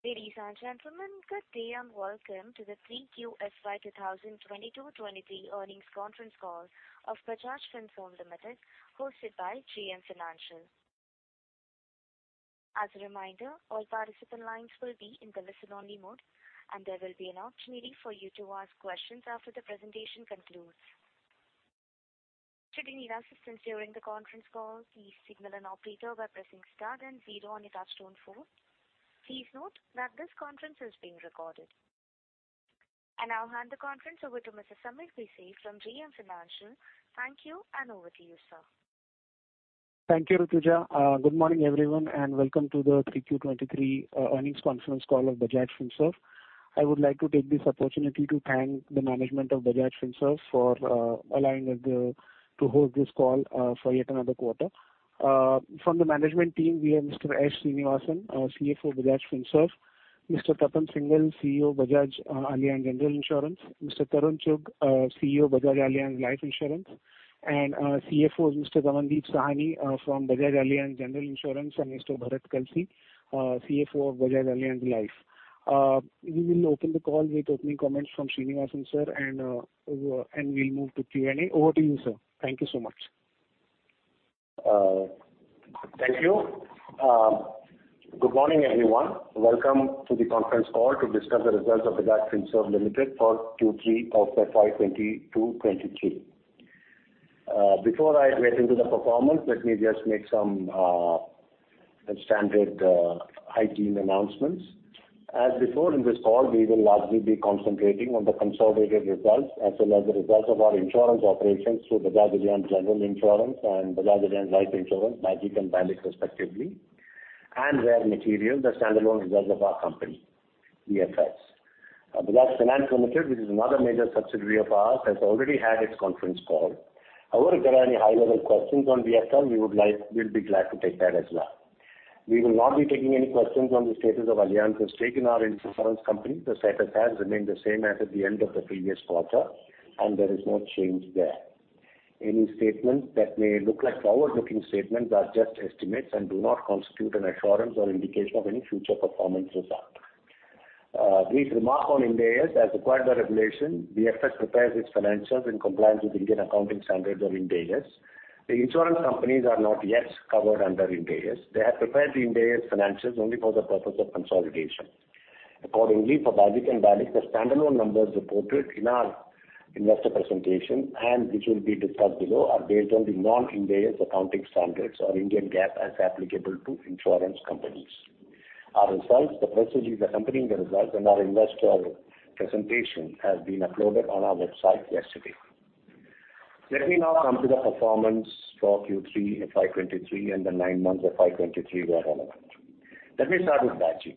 Ladies and gentlemen, good day and welcome to the 3Q FY2022-2023 Earnings Conference Call of Bajaj Finserv Limited, hosted by JM Financial. As a reminder, all participant lines will be in the listen-only mode, and there will be an opportunity for you to ask questions after the presentation concludes. Should you need assistance during the conference call, please signal an operator by pressing star then zero on your touch-tone phone. Please note that this conference is being recorded. I now hand the conference over to Mr. Sameer Bhise from JM Financial. Thank you and over to you, sir. Thank you. Good morning everyone, and welcome to the 3Q 2023 earnings conference call of Bajaj Finserv. I would like to take this opportunity to thank the management of Bajaj Finserv for allowing us to hold this call for yet another quarter. From the management team, we have Mr. S. Sreenivasan, our CFO of Bajaj Finserv, Mr. Tapan Singhel, CEO Bajaj Allianz General Insurance, Mr. Tarun Chugh, CEO Bajaj Allianz Life Insurance, and CFOs, Mr. Ramandeep Sahni from Bajaj Allianz General Insurance, and Mr. Bharat Kalsi, CFO of Bajaj Allianz Life. We will open the call with opening comments from Sreenivasan, sir, and we'll move to Q&A. Over to you, sir. Thank you so much. Thank you. Good morning, everyone. Welcome to the conference call to discuss the results of Bajaj Finserv Limited for Q3 of FY 2022-2023. Before I get into the performance, let me just make some standard hygiene announcements. As before, in this call, we will largely be concentrating on the consolidated results as well as the results of our insurance operations through Bajaj Allianz General Insurance and Bajaj Allianz Life Insurance, BAGIC and BALIC, respectively, and rare material, the standalone results of our company, BFS. Bajaj Finance Limited, which is another major subsidiary of ours, has already had its conference call. However, if there are any high-level questions on BFS, we'll be glad to take that as well. We will not be taking any questions on the status of Allianz's stake in our insurance company. The status has remained the same as at the end of the previous quarter, and there is no change there. Any statements that may look like forward-looking statements are just estimates and do not constitute an assurance or indication of any future performance result. Brief remark on Ind AS. As required by regulation, BFS prepares its financials in compliance with Indian Accounting Standards or Ind AS. The insurance companies are not yet covered under Ind AS. They have prepared the Ind AS financials only for the purpose of consolidation. Accordingly, for BAGIC and BALIC, the standalone numbers reported in our investor presentation, and which will be discussed below, are based on the non-Ind AS accounting standards or Indian GAAP as applicable to insurance companies. Our results, the messages accompanying the results and our investor presentation has been uploaded on our website yesterday. Let me now come to the performance for Q3 FY 2023 and the nine months of FY 2023 where relevant. Let me start with BAGIC.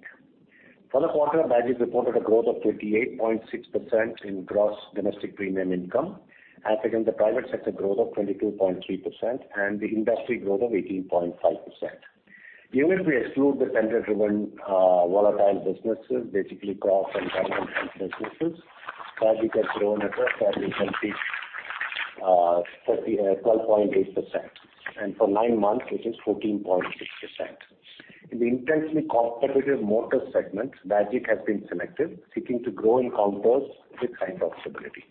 For the quarter, BAGIC reported a growth of 38.6% in GDPI, against the private sector growth of 22.3% and the industry growth of 18.5%. Even if we exclude the center-driven volatile businesses, basically crop and time and health businesses, BAGIC has grown at a healthy 12.8%. For nine months, it is 14.6%. In the intensely competitive motor segment, BAGIC has been selective, seeking to grow in composed with profitability.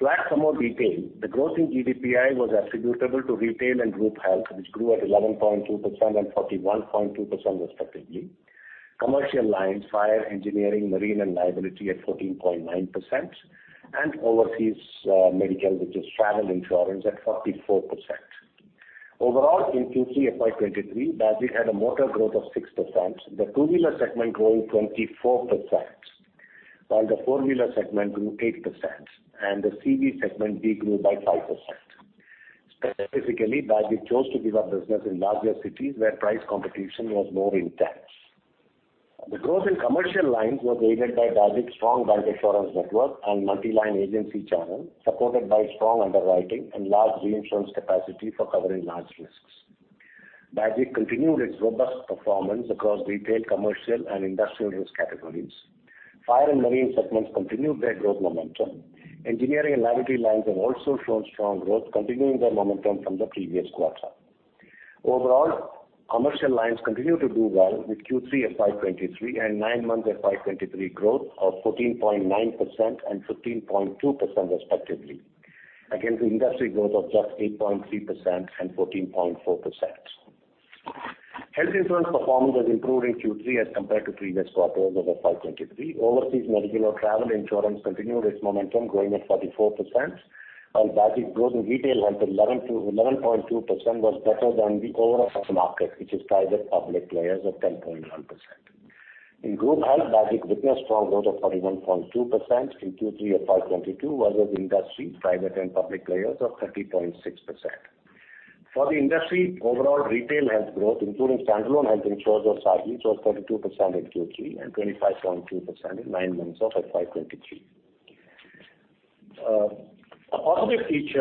To add some more detail, the growth in GDPI was attributable to retail and group health, which grew at 11.2% and 41.2% respectively. Commercial lines, fire, engineering, marine and liability at 14.9% and overseas medical, which is travel insurance at 44%. Overall, in Q3 FY 2023, BAGIC had a motor growth of 6%. The two-wheeler segment grew 24%, while the four-wheeler segment grew 8% and the CV segment de-grew by 5%. Specifically, BAGIC chose to give up business in larger cities where price competition was more intense. The growth in commercial lines was aided by BAGIC's strong bank insurance network and multi-line agency channel, supported by strong underwriting and large reinsurance capacity for covering large risks. BAGIC continued its robust performance across retail, commercial and industrial risk categories. Fire and marine segments continued their growth momentum. Engineering and liability lines have also shown strong growth, continuing their momentum from the previous quarter. Overall, commercial lines continue to do well with Q3 FY 2023 and nine months FY 2023 growth of 14.9% and 15.2% respectively. Against the industry growth of just 8.3% and 14.4%. Health insurance performance has improved in Q3 as compared to previous quarters over FY 2023. Overseas medical or travel insurance continued its momentum growing at 44% while BAGIC growth in Retail Health at 11.2% was better than the overall market, which is private-public players of 10.1%. In group health, BAGIC witnessed strong growth of 41.2% in Q3 FY 2022, whereas industry, private and public players of 30.6%. For the industry, overall Retail Health growth, including Standalone Health Insurance, it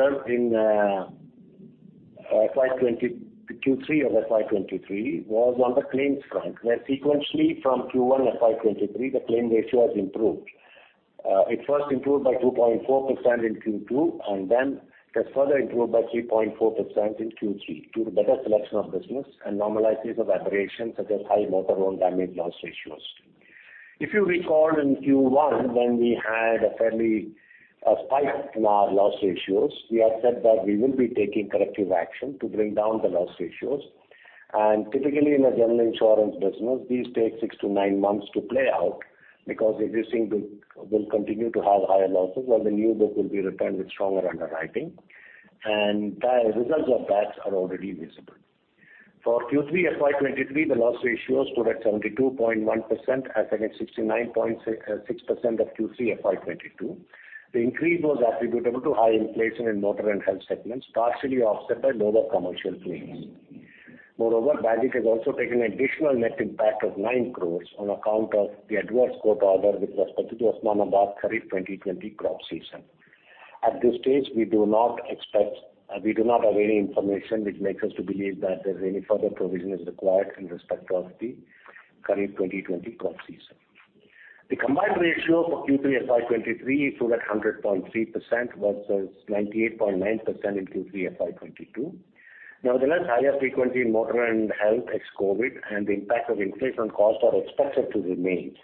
first improved by 2.4% in Q2, then it has further improved by 3.4% in Q3 due to better selection of business and normalization of aberrations such as high Motor Own Damage loss ratios. If you recall, in Q1, when we had a fairly spike in our loss ratios, we had said that we will be taking corrective action to bring down the loss ratios. Typically, in a General Insurance business, these take 6-9 months to play out because the existing book will continue to have higher losses, while the new book will be returned with stronger underwriting. The results of that are already visible. For Q3 FY 2023, the loss ratio stood at 72.1% as against 69.6% of Q3 FY 2022. The increase was attributable to high inflation in motor and health segments, partially offset by lower commercial claims. Moreover, BAGIC has also taken an additional net impact of 9 crores on account of the adverse court order with respect to the Osmanabad Kharif 2020 crop season. At this stage, we do not have any information which makes us to believe that there's any further provision is required in respect of the Kharif 2020 crop season. The combined ratio for Q3 FY 2023 stood at 100.3% versus 98.9% in Q3 FY 2022. Nevertheless, higher frequency in motor and health ex-COVID and the impact of inflation cost are expected to remain.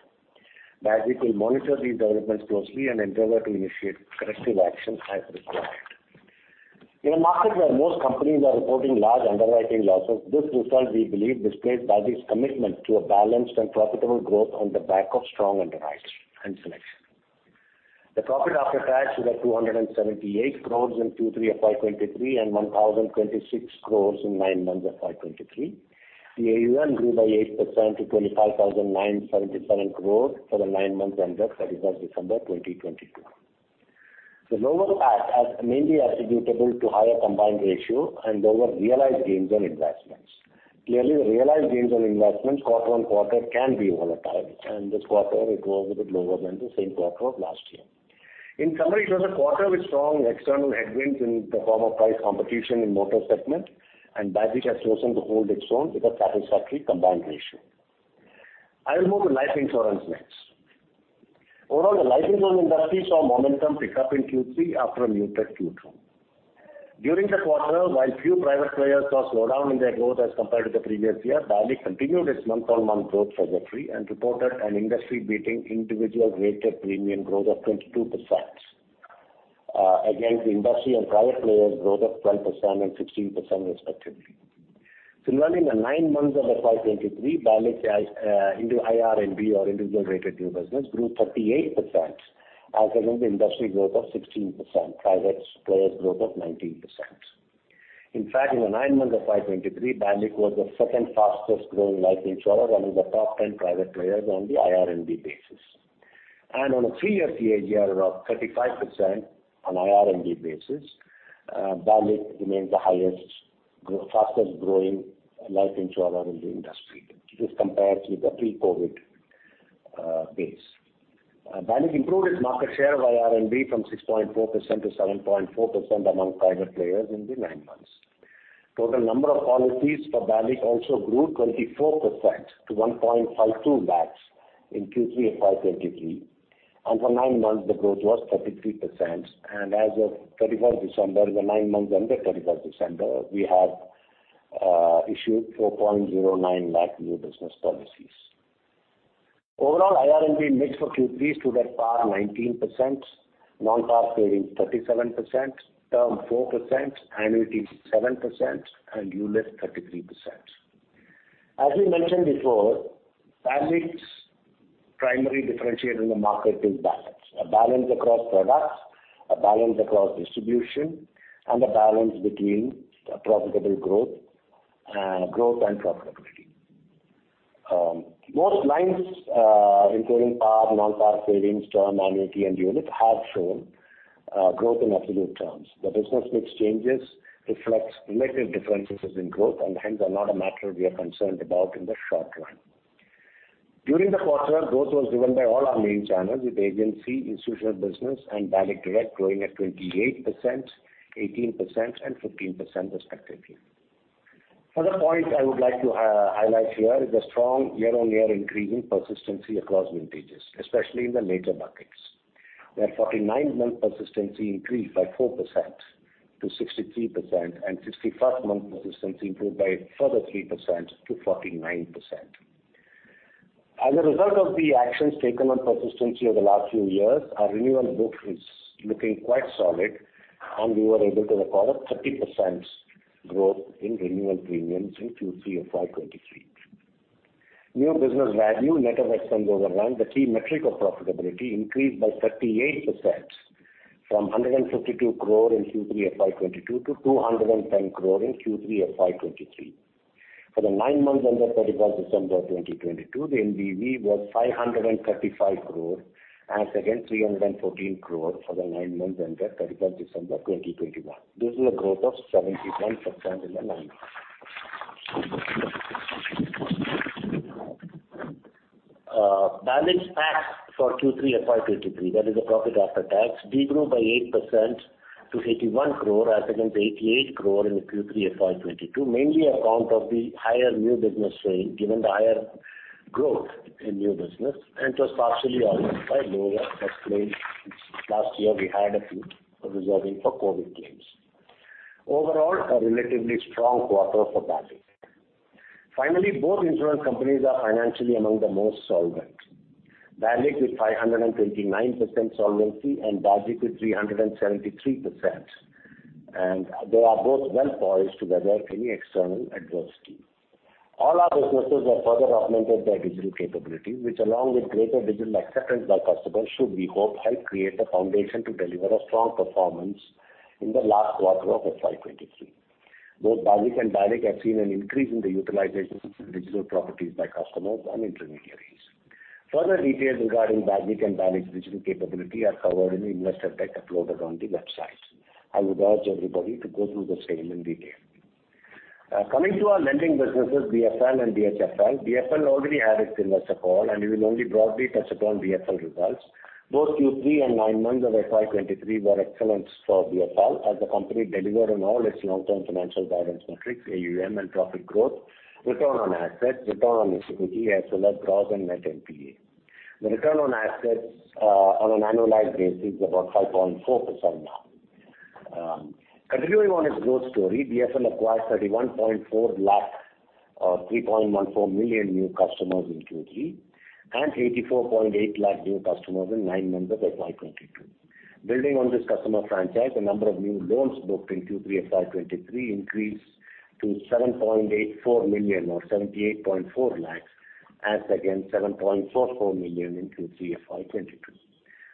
BAGIC will monitor these developments closely and endeavor to initiate corrective actions as required. In a market where most companies are reporting large underwriting losses, this result, we believe, displays BAGIC's commitment to a balanced and profitable growth on the back of strong underwriting and selection. The profit after tax was 278 crores in Q3 FY 2023 and 1,026 crores in nine months FY 2023. The AUM grew by 8% to 25,977 crores for the nine months ended 31st December 2022. The lower PAT are mainly attributable to higher combined ratio and lower realized gains on investments. Clearly, the realized gains on investments quarter-on-quarter can be volatile, and this quarter it was a bit lower than the same quarter of last year. In summary, it was a quarter with strong external headwinds in the form of price competition in Motor segment, and BAGIC has chosen to hold its own with a satisfactory combined ratio. I will move to Life Insurance next. Overall, the Life Insurance industry saw momentum pick up in Q3 after a muted Q2. During the quarter, while few private players saw slowdown in their growth as compared to the previous year, BALIC continued its month-on-month growth trajectory and reported an industry-beating individual rated premium growth of 22% against the industry and private players' growth of 12% and 16% respectively. Similarly, in the nine months of FY 2023, BALIC's IRNB or individual rated new business grew 38% as against the industry growth of 16%, private players' growth of 19%. In fact, in the nine months of FY 2023, BALIC was the second fastest growing life insurer among the top ten private players on the IRNB basis. On a three-year CAGR of 35% on IRNB basis, BALIC remains the fastest growing life insurer in the industry. This compares with the pre-COVID base. BALIC improved its market share of IRNB from 6.4% to 7.4% among private players in the nine months. Total number of policies for BALIC also grew 24% to 1.52 lakh in Q3 FY 2023. For nine months, the growth was 33%. As of 31st December, the nine months ended 31st December, we have issued 4.09 lakh new business policies. Overall, IRNB mix for Q3 stood at PAR 19%, non-PAR savings 37%, term 4%, annuity 7%, and unit 33%. As we mentioned before, BAGIC's primary differentiator in the market is balance. A balance across products, a balance across distribution, and a balance between profitable growth and profitability. Most lines, including PAR, non-PAR savings, term, annuity and unit have shown growth in absolute terms. The business mix changes reflects relative differences in growth, and hence are not a matter we are concerned about in the short run. During the quarter, growth was driven by all our main channels, with agency, institutional business, and BAGIC direct growing at 28%, 18%, and 15% respectively. Further point I would like to highlight here is the strong year-on-year increase in persistency across vintages, especially in the later buckets, where 49-month persistency increased by 4% to 63% and 65-month persistency improved by a further 3% to 49%. As a result of the actions taken on persistency over the last few years, our renewal book is looking quite solid, and we were able to record a 30% growth in renewal premiums in Q3 FY 2023. New business value net of expense overrun, the key metric of profitability, increased by 38% from 152 crore in Q3 FY 2022 to 210 crore in Q3 FY 2023. For the nine months ended 31st December 2022, the NBV was 535 crore as against 314 crore for the nine months ended 31st December 2021. This is a growth of 71% in the nine months. BAGIC's PAT for Q3 FY 2023, that is the profit after tax, de-grew by 8% to 81 crore as against 88 crore in the Q3 FY 2022, mainly on account of the higher new business sale, given the higher growth in new business, and it was partially offset by lower first claim. Last year, we had a few reserving for COVID claims. Overall, a relatively strong quarter for BAGIC. Finally, both insurance companies are financially among the most solvent. BAGIC with 529% solvency and BALIC with 373%. They are both well poised to weather any external adversity. All our businesses are further augmented by digital capabilities, which along with greater digital acceptance by customers, should we hope help create a foundation to deliver a strong performance in the last quarter of FY 2023. Both BAGIC and BALIC have seen an increase in the utilization of digital properties by customers and intermediaries. Further details regarding BAGIC and BALIC digital capability are covered in the investor deck uploaded on the website. I would urge everybody to go through the same in detail. Coming to our Lending businesses, BFL and BHFL. BFL already had its investor call, and we will only broadly touch upon BFL results. Both Q3 and nine months of FY 2023 were excellent for BFL as the company delivered on all its long-term financial guidance metrics, AUM and profit growth, return on assets, return on equity, as well as gross and net NPA. The return on assets on an annualized basis is about 5.4% now. Continuing on its growth story, BFL acquired 31.4 lakh or 3.14 million new customers in Q3 and 84.8 lakh new customers in nine months of FY 2022. Building on this customer franchise, the number of new loans booked in Q3 FY 2023 increased to 7.84 million or 78.4 lakh as against 7.44 million in Q3 FY 2022.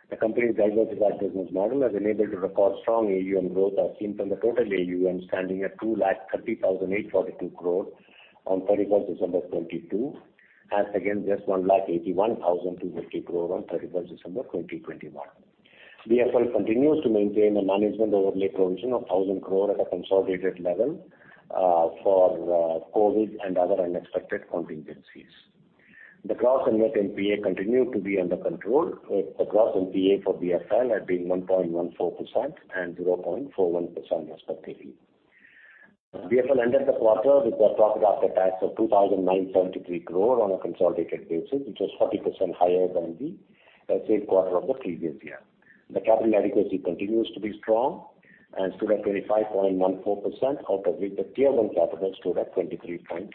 The company's diversified business model has enabled it to record strong AUM growth as seen from the total AUM standing at 2,30,842 crore on 31st December 2022 as against just 1,81,250 crore on 31st December 2021. BFL continues to maintain a management overlay provision of 1,000 crore at a consolidated level for COVID and other unexpected contingencies. The gross and net NPA continue to be under control, with the gross NPA for BFL at being 1.14% and 0.41% respectively. BFL ended the quarter with a profit after tax of 2,973 crore on a consolidated basis, which was 40% higher than the same quarter of the previous year. The capital adequacy continues to be strong and stood at 25.14%, out of which the Tier 1 capital stood at 23.3%.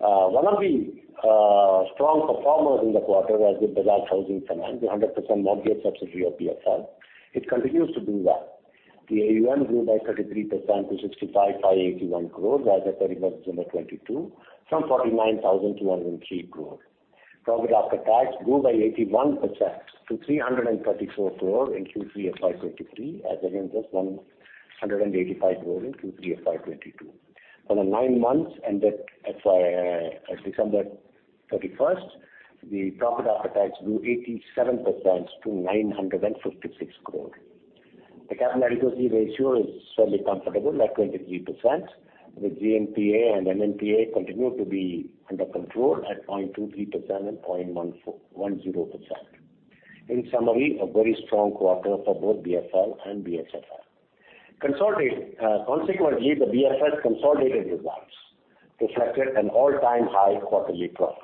One of the strong performers in the quarter was the Bajaj Housing Finance, the 100% mortgage subsidiary of BFL. It continues to do well. The AUM grew by 33% to 65,581 crore as at 31st December 2022 from 49,203 crore. Profit after tax grew by 81% to 334 crore in Q3 FY 2023 as against just 185 crore in Q3 FY22. For the nine months ended FY... December 31st, the profit after tax grew 87% to 956 crore. The capital adequacy ratio is fairly comfortable at 23%. The GNPA and NNPA continue to be under control at 0.23% and 0.10%. In summary, a very strong quarter for both BFL and BHFL. Consequently, the BFL's consolidated results reflected an all-time high quarterly profits.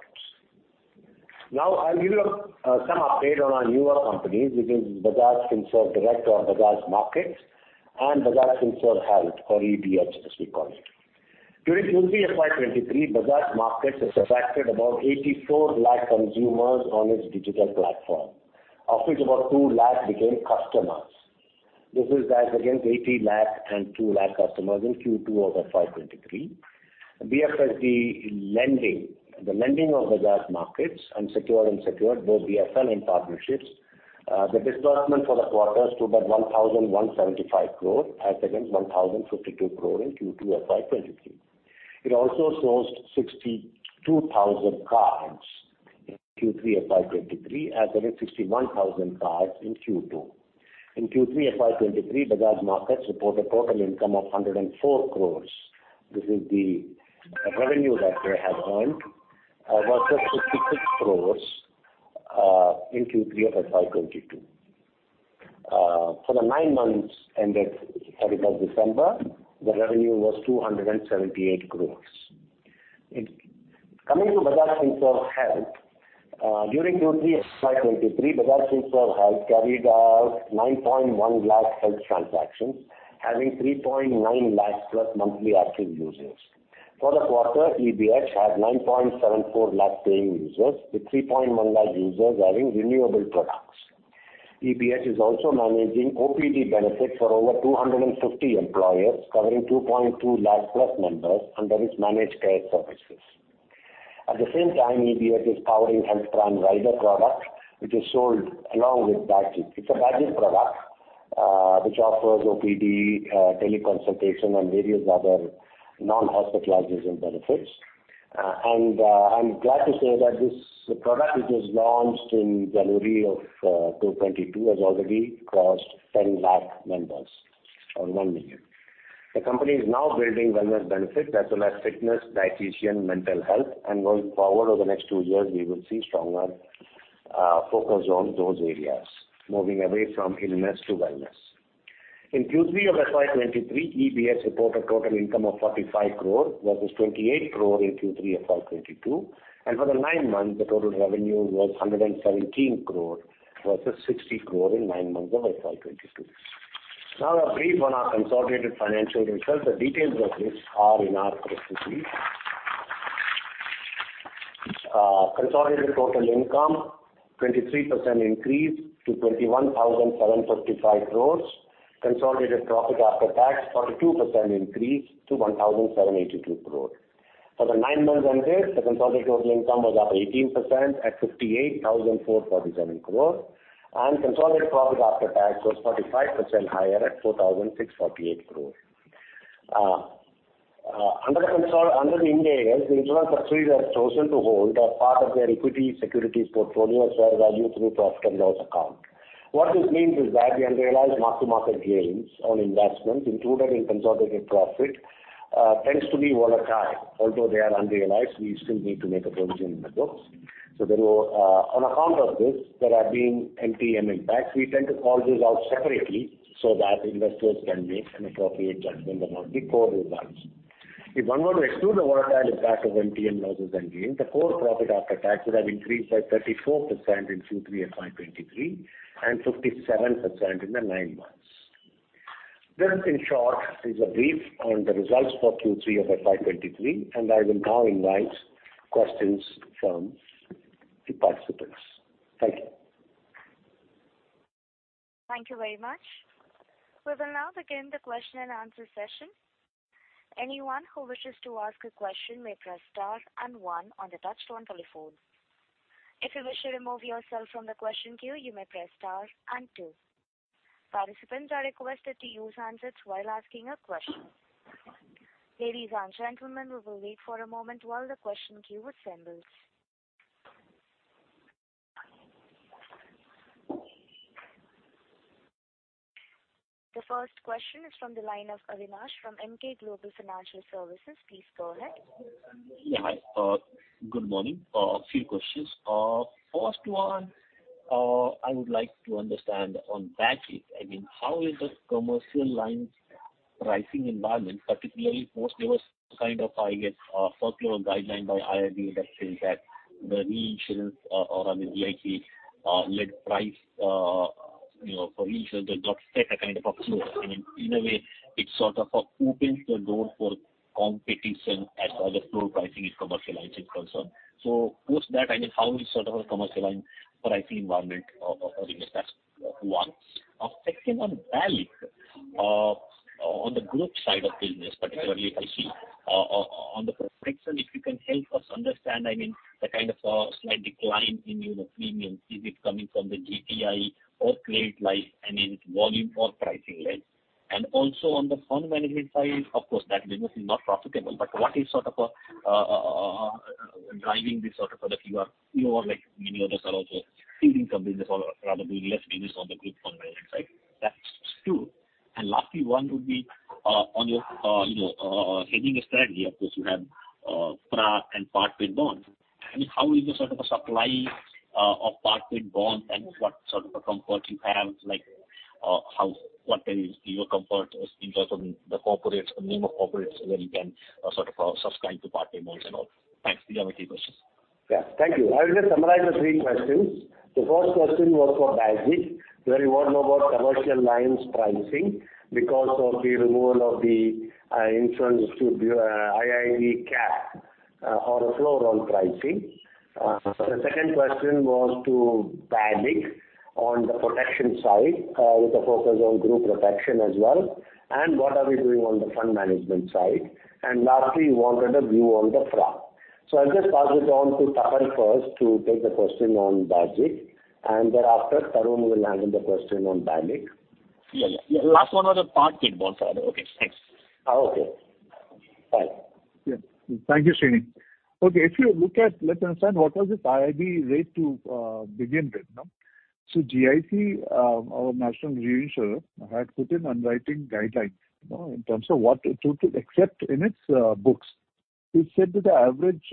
I'll give you some update on our newer companies, which is Bajaj Finserv Direct or Bajaj Markets and Bajaj Finserv Health or e-BH as we call it. During Q3 FY 2023, Bajaj Markets has attracted about 84 lakh consumers on its digital platform, of which about 2 lakh became customers. This is as against 80 lakh and 2 lakh customers in Q2 FY 2023. BFSD Lending, the lending of Bajaj Markets, unsecured and secured, both BFL and partnerships, the disbursement for the quarter stood at 1,175 crore as against 1,052 crore in Q2 FY 2023. It also sourced 62,000 cards in Q3 FY 2023 as against 61,000 cards in Q2. In Q3 FY 2023, Bajaj Markets reported total income of 104 crores. This is the revenue that they have earned, was just 66 crores in Q3 of FY 2022. For the nine months ended 31st December, the revenue was 278 crores. Coming to Bajaj Finserv Health, during Q3 FY 2023, Bajaj Finserv Health carried out 9.1 lakh health transactions, having 3.9 lakh+ monthly active users. For the quarter, e-BH had 9.74 lakh paying users, with 3.1 lakh users having renewable products. e-BH is also managing OPD benefits for over 250 employers, covering 2.2 lakh+ members under its managed care services. At the same time, e-BH is powering Health Prime Rider product, which is sold along with BAGIC. It's a BAGIC product, which offers OPD, teleconsultation and various other non-hospitalization benefits. I'm glad to say that this product, which was launched in January of 2022, has already crossed 10 lakh members or 1 million. The company is now building wellness benefits as well as fitness, dietitian, mental health, and going forward over the next two years, we will see stronger focus on those areas, moving away from illness to wellness. In Q3 of FY 2023, [e-BH] reported total income of 45 crore versus 28 crore in Q3 of FY 2022. For the nine months, the total revenue was 117 crore versus 60 crore in nine months of FY 2022. Now a brief on our consolidated financial results. The details of which are in our press release. Consolidated total income, 23% increase to 21,755 crore. Consolidated profit after tax, 42% increase to 1,782 crore. For the nine months ended, the consolidated total income was up 18% at 58,447 crore, and consolidated profit after tax was 45% higher at 4,648 crore. Under Ind AS, the insurance subsidiaries have chosen to hold a part of their equity securities portfolio fair value through profit and loss account. What this means is that the unrealized mark to market gains on investments included in consolidated profit tends to be volatile. Although they are unrealized, we still need to make a provision in the books. On account of this there are being MTM impacts. We tend to call this out separately so that investors can make an appropriate judgment about the core results. If one were to exclude the volatile impact of MTM losses and gains, the core profit after tax would have increased by 34% in Q3 of FY 2023 and 57% in the nine months. This, in short, is a brief on the results for Q3 of FY 2023 and I will now invite questions from the participants. Thank you. Thank you very much. We will now begin the question-and-answer session. Anyone who wishes to ask a question may press star and one on the touch-tone telephone. If you wish to remove yourself from the question queue, you may press star and two. Participants are requested to use handsets while asking a question. Ladies and gentlemen, we will wait for a moment while the question queue assembles. The first question is from the line of Avinash from Emkay Global Financial Services. Please go ahead. Yeah. Hi. good morning. a few questions. first one, I would like to understand on BAGIC, I mean, how is the commercial lines pricing environment, particularly post there was kind of, I guess, a circular guideline by IIB that says that the reinsurance or I mean, like the led price, you know, for reinsurers got set a kind of a floor. I mean, in a way, it sort of opens the door for competition as far as floor pricing is commercial lines are concerned. Post that, I mean, how is sort of a commercial line pricing environment over in this space? One. second on BAGIC. On the group side of business, particularly if I see on the protection, if you can help us understand, I mean, the kind of, slight decline in, you know, premiums, is it coming from the GPI or credit line? I mean, is it volume or pricing led? Also on the fund management side, of course, that business is not profitable. What is sort of, driving this sort of product you are, you know, like many others are also seeing some business or rather doing less business on the group fund management side? That's two. Lastly one would be, on your, you know, hedging strategy. Of course, you have, FRA and partly paid bonds. I mean, how is the sort of a supply of part paid bonds and what sort of a comfort you have, like, what is your comfort in terms of the corporates, the name of corporates where you can sort of subscribe to part paid bonds and all. Thanks. These are my three questions. Yeah. Thank you. I will just summarize the three questions. The first question was for BAGIC, where you want to know about commercial lines pricing because of the removal of the Insurance Institute, IIB cap, or a floor on pricing. The second question was to BAGIC on the protection side, with a focus on group protection as well, and what are we doing on the fund management side. Lastly, you wanted a view on the FRA. I'll just pass it on to Tapan first to take the question on BAGIC, and thereafter Tarun will handle the question on BAGIC. Yeah. Last one was on partly paid bonds. Okay, thanks. Oh, okay. Fine. Thank you, Sreeni. Let's understand what was this IIB rate to begin with, no? GIC, our national reinsurer, had put an underwriting guideline, you know, in terms of what to accept in its books. It said that the average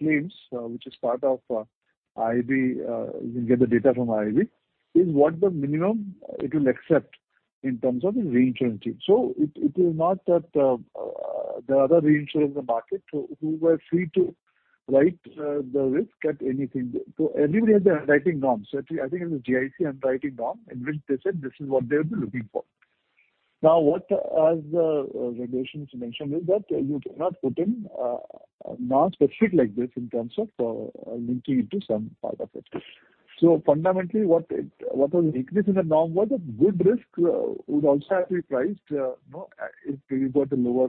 claims, which is part of IIB, you can get the data from IIB, is what the minimum it will accept in terms of the reinsurance fee. It is not that there are other reinsurers in the market who were free to write the risk at anything. Everybody had their underwriting norms. I think it was GIC underwriting norm in which they said this is what they'll be looking for. What as the regulations you mentioned is that you cannot put in a non-specific like this in terms of linking it to some part of it. Fundamentally, what was increased in the norm was that good risk would also have to be priced, you know, if you've got a lower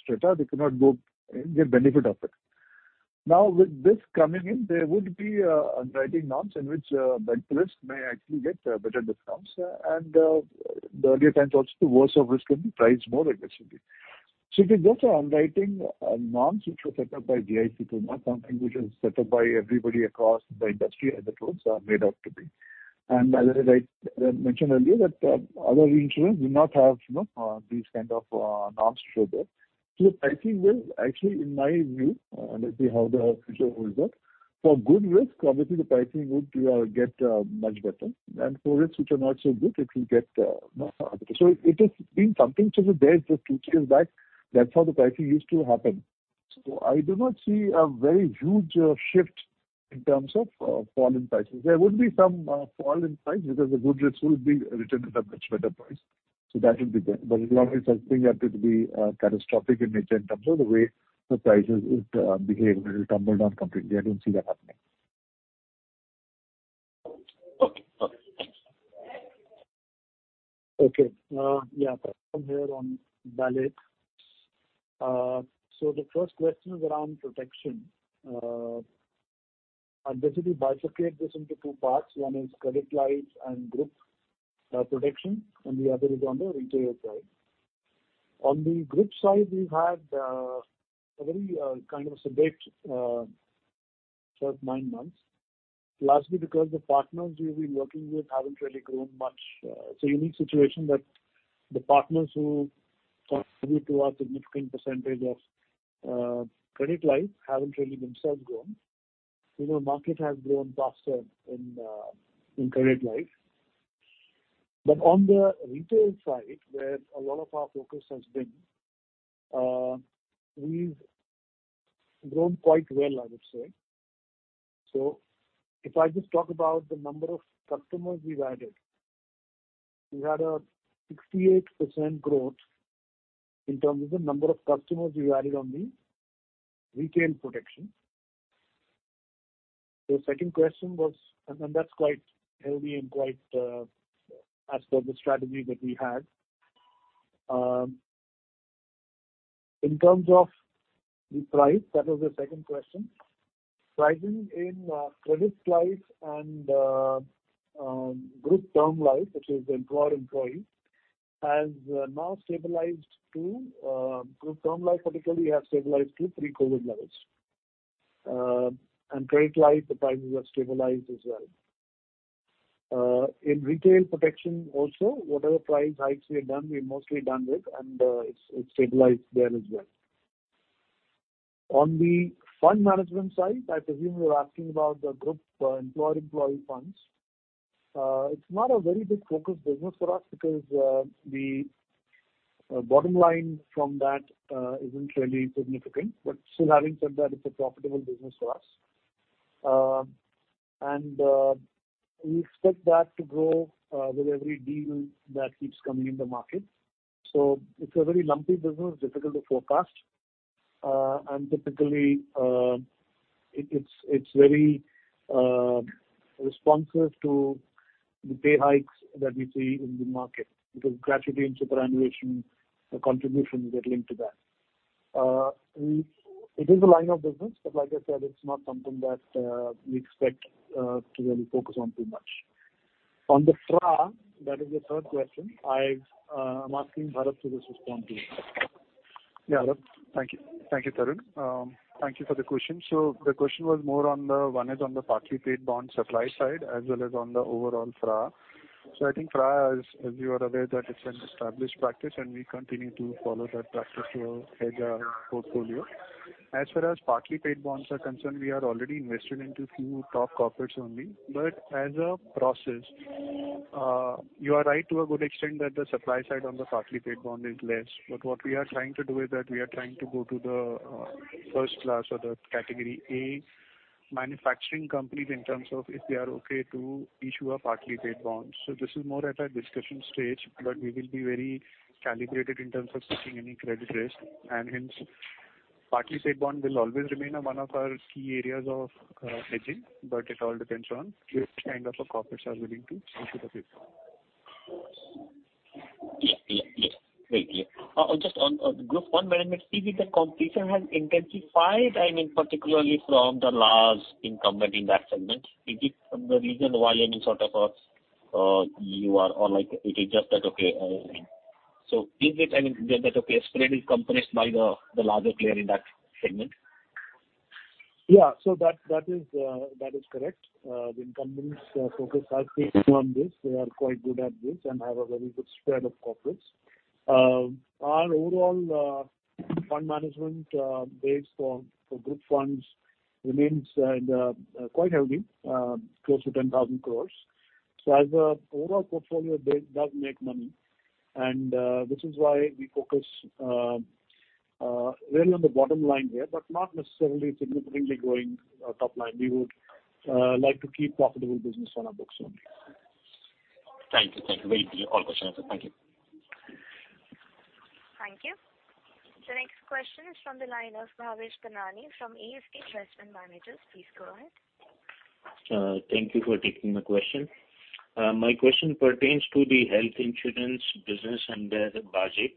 strata, they cannot go and get benefit of it. With this coming in, there would be underwriting norms in which better risk may actually get better discounts, and the earlier times also the worse of risk can be priced more aggressively. It is also underwriting a non-super setup by GIC, not something which is set up by everybody across the industry as the tools are made out to be. As I, right, mentioned earlier that, other reinsurers do not have, you know, these kind of, norms to show there. The pricing will actually in my view, let's see how the future holds up. For good risk, obviously the pricing would get much better. For risks which are not so good it will get not so good. It has been something since the day just two years back, that's how the pricing used to happen. I do not see a very huge shift in terms of, fall in prices. There would be some, fall in price because the good risks will be written at a much better price. That will be there. As long as something had to be catastrophic in nature in terms of the way the prices would behave, will tumble down completely. I don't see that happening. Okay. Okay. Okay. Yeah. Tarun here on BALIC. The first question is around protection. I'll basically bifurcate this into two parts. One is credit life and group protection, and the other is on the retail side. On the group side, we've had a very kind of a sedate first nine months, largely because the partners we've been working with haven't really grown much. It's a unique situation that the partners who contribute to a significant % of credit life haven't really themselves grown. You know, market has grown faster in credit life. On the retail side, where a lot of our focus has been, we've grown quite well, I would say. If I just talk about the number of customers we've added, we had a 68% growth in terms of the number of customers we added on the retail protection. The second question was, and that's quite healthy and quite as per the strategy that we had. In terms of the price, that was the second question. Pricing in credit life and group term life, which is the employer-employee, has now stabilized to group term life particularly has stabilized to pre-COVID levels. Credit life, the prices have stabilized as well. In retail protection also, whatever price hikes we have done, we're mostly done with and it's stabilized there as well. On the fund management side, I presume you're asking about the group employer-employee funds. It's not a very big focused business for us because the bottom line from that isn't really significant. Still having said that, it's a profitable business for us. We expect that to grow with every deal that keeps coming in the market. It's a very lumpy business, difficult to forecast. Typically, it's very responsive to the pay hikes that we see in the market because gradually in superannuation the contributions get linked to that. It is a line of business, but like I said, it's not something that we expect to really focus on too much. On the FRA, that is the third question. I've I'm asking Bharat to just respond to you. Thank you. Thank you, Tarun. Thank you for the question. The question was more one is on the partly paid bond supply side as well as on the overall FRA. I think FRA is, as you are aware, that it's an established practice, and we continue to follow that practice to hedge our portfolio. As far as partly paid bonds are concerned, we are already invested into few top corporates only. As a process, you are right to a good extent that the supply side on the partly paid bond is less. What we are trying to do is that we are trying to go to the first class or the category A manufacturing companies in terms of if they are okay to issue a partly paid bond. This is more at a discussion stage, but we will be very calibrated in terms of taking any credit risk and hence partly paid bond will always remain a one of our key areas of hedging, but it all depends on which kind of a corporates are willing to issue the paid bond. Yeah. Yeah. Yeah. Great. Yeah. Just on group one management, see if the competition has intensified, I mean particularly from the large incumbent in that segment? Is it the reason why, I mean, sort of, you are or like it is just that okay? Is it, I mean the, that okay spread is compressed by the larger player in that segment? Yeah. That, that is, that is correct. The incumbents focus has been on this. They are quite good at this and have a very good spread of corporates. Our overall fund management base for group funds remains quite healthy, close to 10,000 crore. As a overall portfolio base does make money and this is why we focus really on the bottom line here, but not necessarily significantly growing our top line. We would like to keep profitable business on our books only. Thank you. Thank you. Very clear. All questions answered. Thank you. Thank you. The next question is from the line of Bhavesh Kanani from ASK Investment Managers. Please go ahead. Thank you for taking the question. My question pertains to the health insurance business under Bajaj.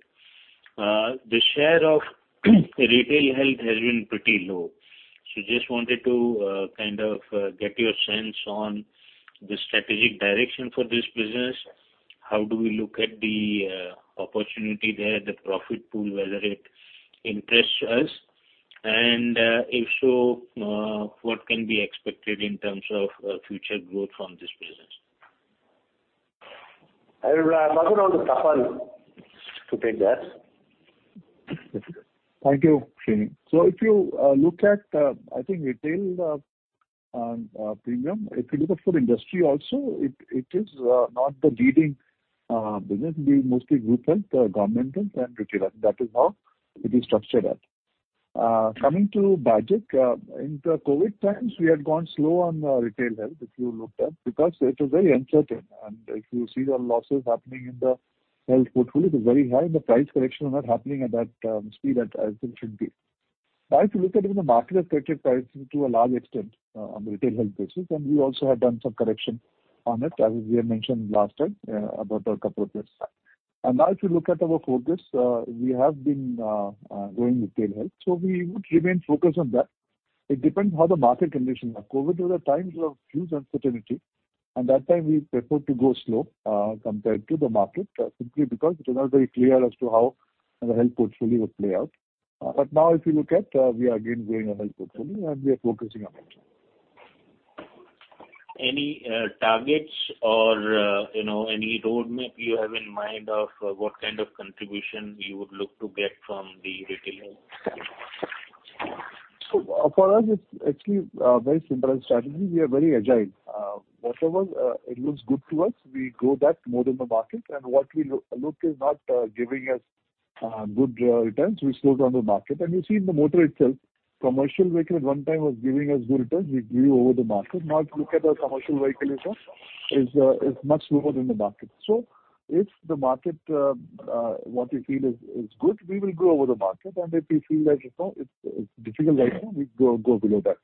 The share of Retail Health has been pretty low. Just wanted to, kind of, get your sense on the strategic direction for this business. How do we look at the opportunity there, the profit pool, whether it interests us, and, if so, what can be expected in terms of future growth from this business? I will ask Tapan to take that. Thank you, Sreeni. If you look at, I think retail premium, if you look at for industry also, it is not the leading business. We mostly group health, governmental and retail. That is how it is structured at. Coming to Bajaj, in the COVID times, we had gone slow on Retail Health, if you looked at, because it was very uncertain. If you see the losses happening in the health portfolio, it is very high. The price correction are not happening at that speed that I think should be. If you look at it, the market has corrected pricing to a large extent on the Retail Health business, and we also have done some correction on it, as we have mentioned last time, about a couple of years back. Now if you look at our focus, we have been growing Retail Health. We would remain focused on that. It depends how the market conditions are. COVID was a time of huge uncertainty, and that time we preferred to go slow, compared to the market, simply because it was not very clear as to how the health portfolio would play out. Now if you look at, we are again growing our health portfolio and we are focusing on it. Any targets or, you know, any roadmap you have in mind of what kind of contribution you would look to get from the Retail Health business? For us it's actually a very simple strategy. We are very agile. Whatever it looks good to us, we grow that more than the market. What we look is not giving us good returns. We slow down the market. You see in the motor itself, commercial vehicle at one time was giving us good returns. We grew over the market. Now if you look at the commercial vehicle itself is much lower than the market. If the market what we feel is good, we will grow over the market and if we feel that, you know, it's difficult right now, we go below that.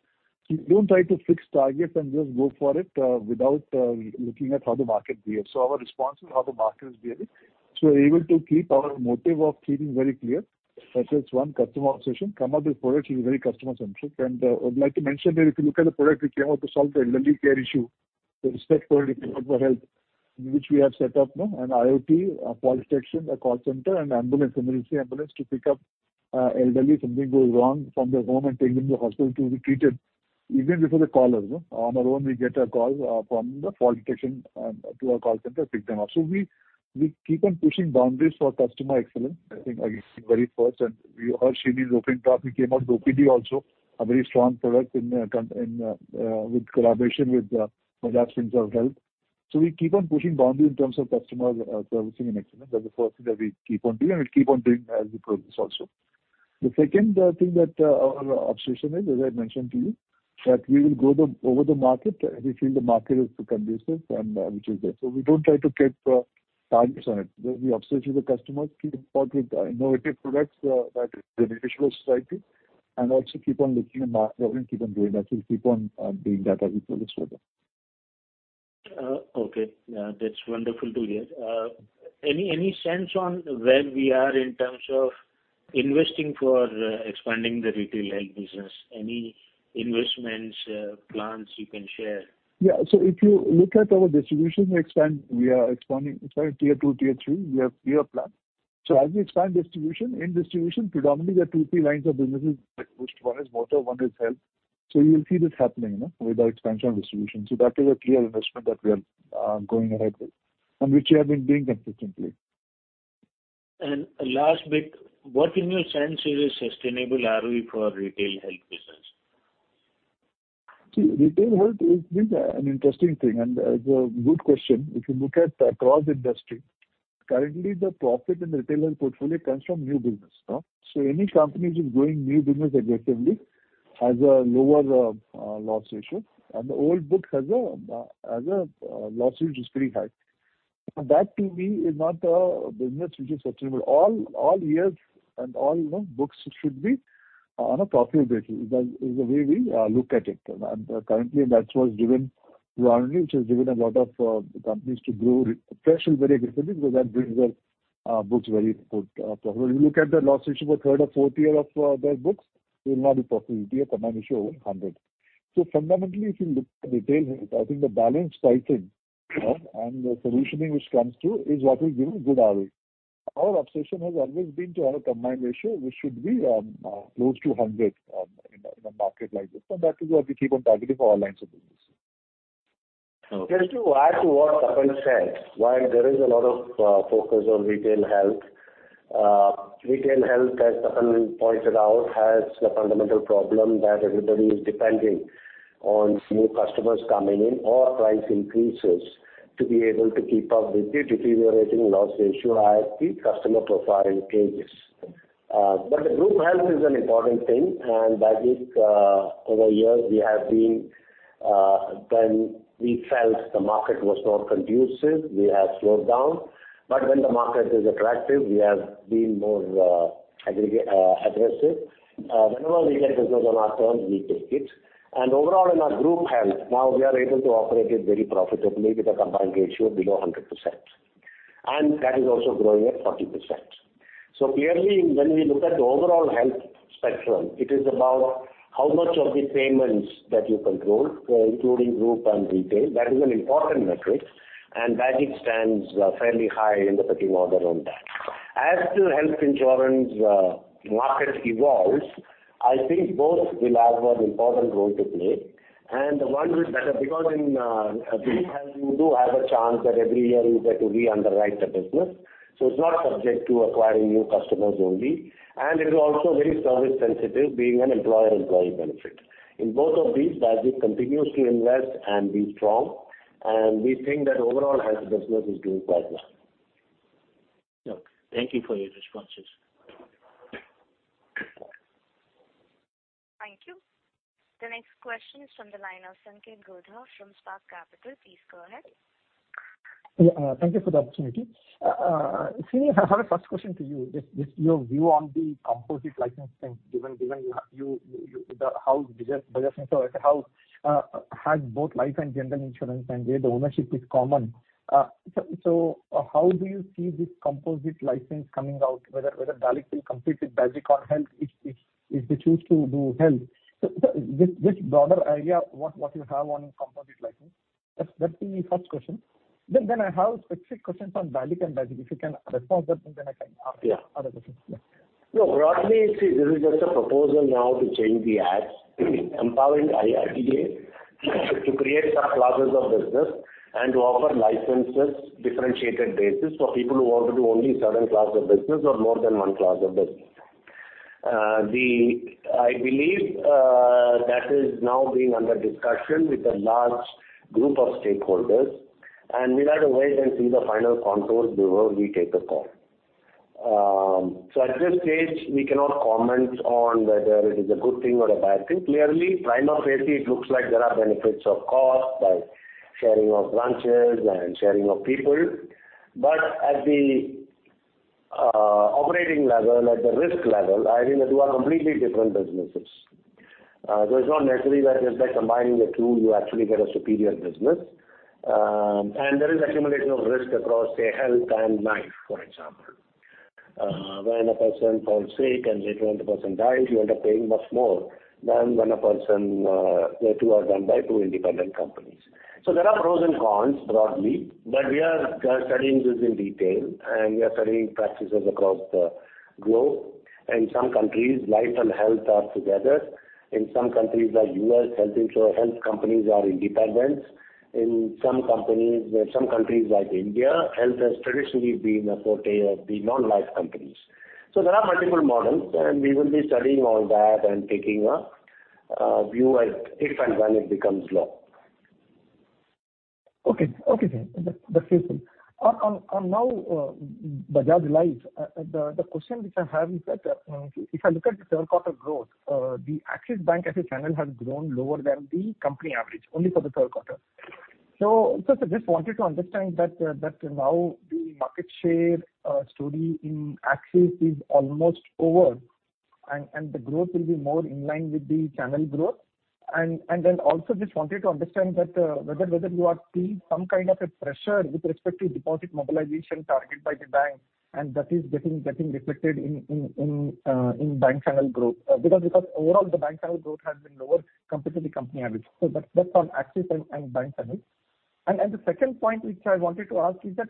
We don't try to fix targets and just go for it without looking at how the market behaves. Our response is how the market is behaving. We're able to keep our motive of keeping very clear. That is one customer obsession. Come up with products which is very customer-centric. I would like to mention that if you look at the product which we have to solve the elderly care issue, the respect product we have for health, which we have set up no, an IoT, a fault detection, a call center and ambulance, emergency ambulance to pick up elderly, something goes wrong from their home and take them to hospital to be treated even before they call us. No, on our own, we get a call from the fault detection to our call center, pick them up. We keep on pushing boundaries for customer excellence. I think I said very first and we heard Sreeni's opening talk. We came out with OPD also a very strong product in, with collaboration with Bajaj Finserv Health. We keep on pushing boundaries in terms of customer servicing and excellence. That's the first thing that we keep on doing and we'll keep on doing as we progress also. The second thing that our obsession is, as I mentioned to you, that we will grow over the market if we feel the market is conducive and which is there. We don't try to keep targets on it. We observe through the customers, keep in touch with innovative products, that the visual society and also keep on looking at market and keep on doing that. We'll keep on doing that as we progress further. Okay. That's wonderful to hear. Any sense on where we are in terms of investing for expanding the Retail Health business? Any investments, plans you can share? If you look at our distribution expand, we are expanding. It's like tier two, tier three. We have clear plan. As we expand distribution, in distribution predominantly there are two, three lines of businesses which one is motor, one is health. You will see this happening, you know, with our expansion of distribution. That is a clear investment that we are going ahead with and which we have been doing consistently. Last bit, what in your sense is a sustainable ROE for Retail Health business? Retail health is been an interesting thing and it's a good question. If you look at across industry, currently the profit in the Retail Health portfolio comes from new business. No? Any company which is growing new business aggressively has a lower loss ratio and the old book has a loss ratio which is pretty high. That to me is not a business which is sustainable. All years and all, you know, books should be on a profitable basis. That is the way we look at it. Currently that's what's driven through ROE, which has given a lot of companies to grow fresh very aggressively because that brings their books very good. Probably you look at the loss ratio for third or fourth year of their books, it will not be profitable. It'll be a combined ratio over 100. Fundamentally, if you look at Retail Health, I think the balance pricing, you know, and the solutioning which comes through is what will give a good ROE. Our obsession has always been to have a combined ratio which should be close to 100 in a market like this. That is what we keep on targeting for all lines of business. Okay. Just to add to what Tapan said, while there is a lot of focus on Retail Health, Retail Health, as Tapan pointed out, has the fundamental problem that everybody is depending on new customers coming in or price increases to be able to keep up with the deteriorating loss ratio as the customer profile changes. The group health is an important thing. That is, over years we have been, when we felt the market was more conducive, we have slowed down. When the market is attractive, we have been more aggressive. Whenever we get business on our terms, we take it. Overall in our group health now we are able to operate it very profitably with a combined ratio below 100%. That is also growing at 40%. Clearly, when we look at the overall health spectrum, it is about how much of the payments that you control, including group and retail. That is an important metric, and BAGIC stands fairly high in the pecking order on that. As the health insurance market evolves, I think both will have an important role to play and the one which because in group health you do have a chance that every year you get to re-underwrite the business, so it's not subject to acquiring new customers only. It is also very service sensitive being an employer-employee benefit. In both of these, BAGIC continues to invest and be strong, and we think that overall health business is doing quite well. Okay. Thank you for your responses. Thank you. The next question is from the line of Sanket Godha from Spark Capital. Please go ahead. Thank you for the opportunity. Sreeni, I have a first question to you. Just your view on the composite licensing given how Bajaj Finserv has both life and General Insurance, and where the ownership is common. How do you see this composite license coming out? Whether BALIC will compete with BAGIC on health if they choose to do health. This broader area, what you have on composite licensing. That's the first question. Then I have specific questions on BALIC and BAGIC. If you can respond that, then I can ask other questions. No. Broadly, see this is just a proposal now to change the acts empowering IRDAI to create subclasses of business and to offer licenses differentiated basis for people who want to do only certain class of business or more than one class of business. I believe that is now being under discussion with a large group of stakeholders, we'll have to wait and see the final contours before we take a call. At this stage we cannot comment on whether it is a good thing or a bad thing. Clearly, prima facie it looks like there are benefits of cost by sharing of branches and sharing of people. At the operating level, at the risk level, I mean, they two are completely different businesses. It's not necessarily that just by combining the two you actually get a superior business. There is accumulation of risk across, say, health and life, for example. When a person falls sick and later on the person dies, you end up paying much more than when a person, the two are done by two independent companies. There are pros and cons broadly, but we are studying this in detail, and we are studying practices across the globe. In some countries, life and health are together. In some countries like U.S., health companies are independent. In some companies, some countries like India, health has traditionally been a forte of the non-life companies. There are multiple models, and we will be studying all that and taking a view if and when it becomes law. Okay. Okay, sir. That, that's useful. On now, the question which I have is that if I look at the third quarter growth, the Axis Bank as a channel has grown lower than the company average only for the third quarter. Just wanted to understand that now the market share story in Axis is almost over and the growth will be more in line with the channel growth. Then also just wanted to understand that whether you are seeing some kind of a pressure with respect to deposit mobilization target by the bank and that is getting reflected in bank channel growth. Because overall the bank channel growth has been lower compared to the company average. That's on Axis and bank channels. The second point which I wanted to ask is that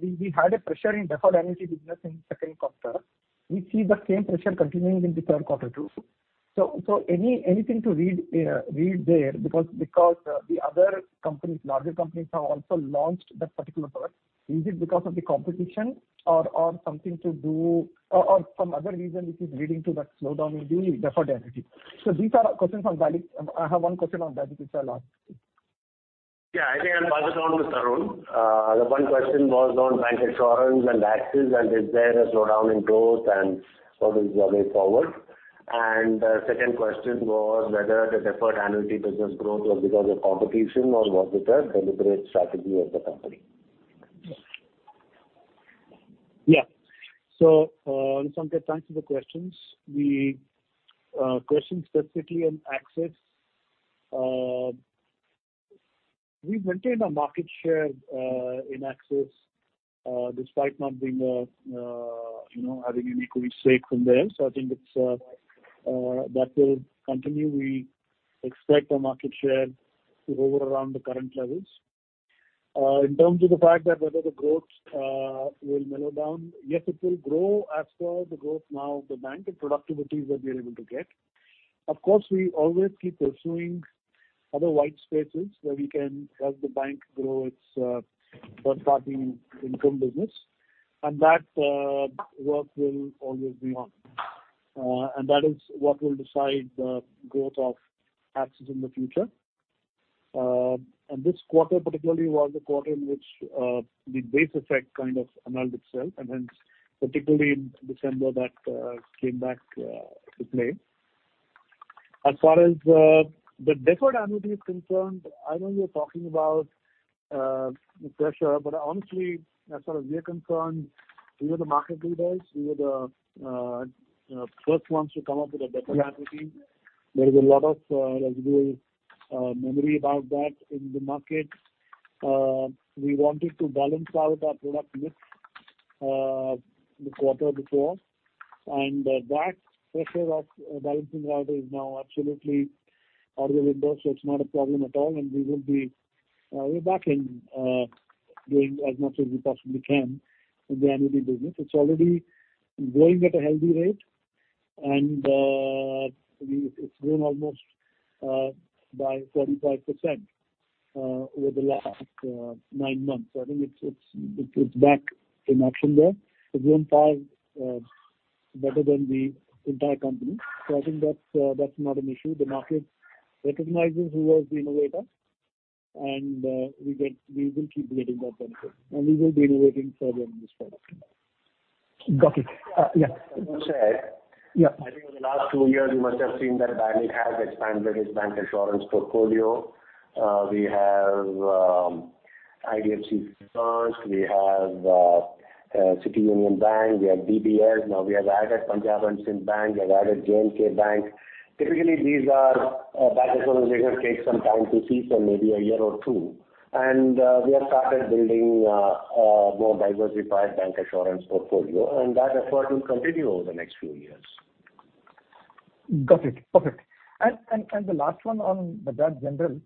we had a pressure in deferred annuity business in second quarter. We see the same pressure continuing in the third quarter too. Anything to read there? Because the other companies, larger companies have also launched that particular product. Is it because of the competition or something to do or some other reason which is leading to that slowdown in the deferred annuity? These are questions on BALIC. I have one question on BAGIC which I'll ask. Yeah. I think I'll pass it on to Tarun. The one question was on bank insurance and Axis and is there a slowdown in growth and what is the way forward. Second question was whether the deferred annuity business growth was because of competition or was it a deliberate strategy of the company? Yes. Sanket, thanks for the questions. The question specifically on Axis, we've maintained our market share, in Axis, despite not being, you know, having any equity stake from there. I think it's, that will continue. We expect our market share to hover around the current levels. In terms of the fact that whether the growth, will mellow down, yes, it will grow as per the growth now of the bank and productivities that we're able to get. Of course, we always keep pursuing other white spaces where we can help the bank grow its, third-party income business, and that, work will always be on. That is what will decide the growth of Axis in the future. This quarter particularly was the quarter in which the base effect kind of annulled itself, and hence particularly in December that came back to play. As far as the deferred annuity is concerned, I know you're talking about the pressure, but honestly, as far as we are concerned, we are the market leaders. We were the first ones to come up with a deferred annuity. There is a lot of residual memory about that in the market. We wanted to balance out our product mix, the quarter before and that pressure of balancing out is now absolutely out of the window so it's not a problem at all and we will be, we're back in doing as much as we possibly can in the annuity business. It's already growing at a healthy rate. It's grown almost by 45% over the last nine months. I think it's, it's back in action there. It's grown far better than the entire company. I think that's not an issue. The market recognizes who was the innovator and we will keep getting that benefit and we will be innovating further in this product. Got it. Yeah. I would say- Yeah. I think in the last two years you must have seen that Bajaj has expanded its bank insurance portfolio. We have IDFC First, we have City Union Bank, we have DBS. Now we have added Punjab National Bank, we have added J&K Bank. Typically, these are bank insurance business take some time to seep in, maybe a year or two. We have started building a more diversified bank insurance portfolio, and that effort will continue over the next few years. Got it. Perfect. The last one on the Bajaj General.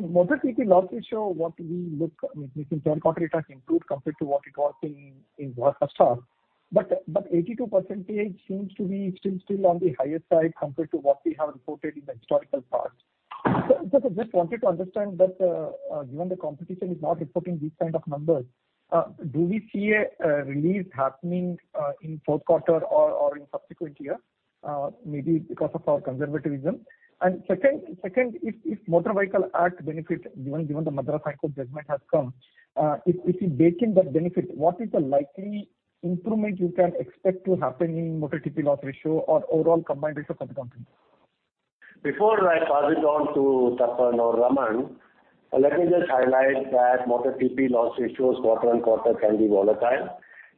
Motor TP loss ratio, what we look at, I mean, we think third quarter it has improved compared to what it was in first half. 82% seems to be still on the higher side compared to what we have reported in the historical past. I just wanted to understand that, given the competition is not reporting these kind of numbers, do we see a relief happening in fourth quarter or in subsequent year, maybe because of our conservatism? Second if Motor Vehicle Act benefits given the Madras High Court judgment has come, if we bake in that benefit, what is the likely improvement you can expect to happen in Motor TP loss ratio or overall combined ratio for the company? Before I pass it on to Tapan or Raman, let me just highlight that Motor TP loss ratios quarter-on-quarter can be volatile.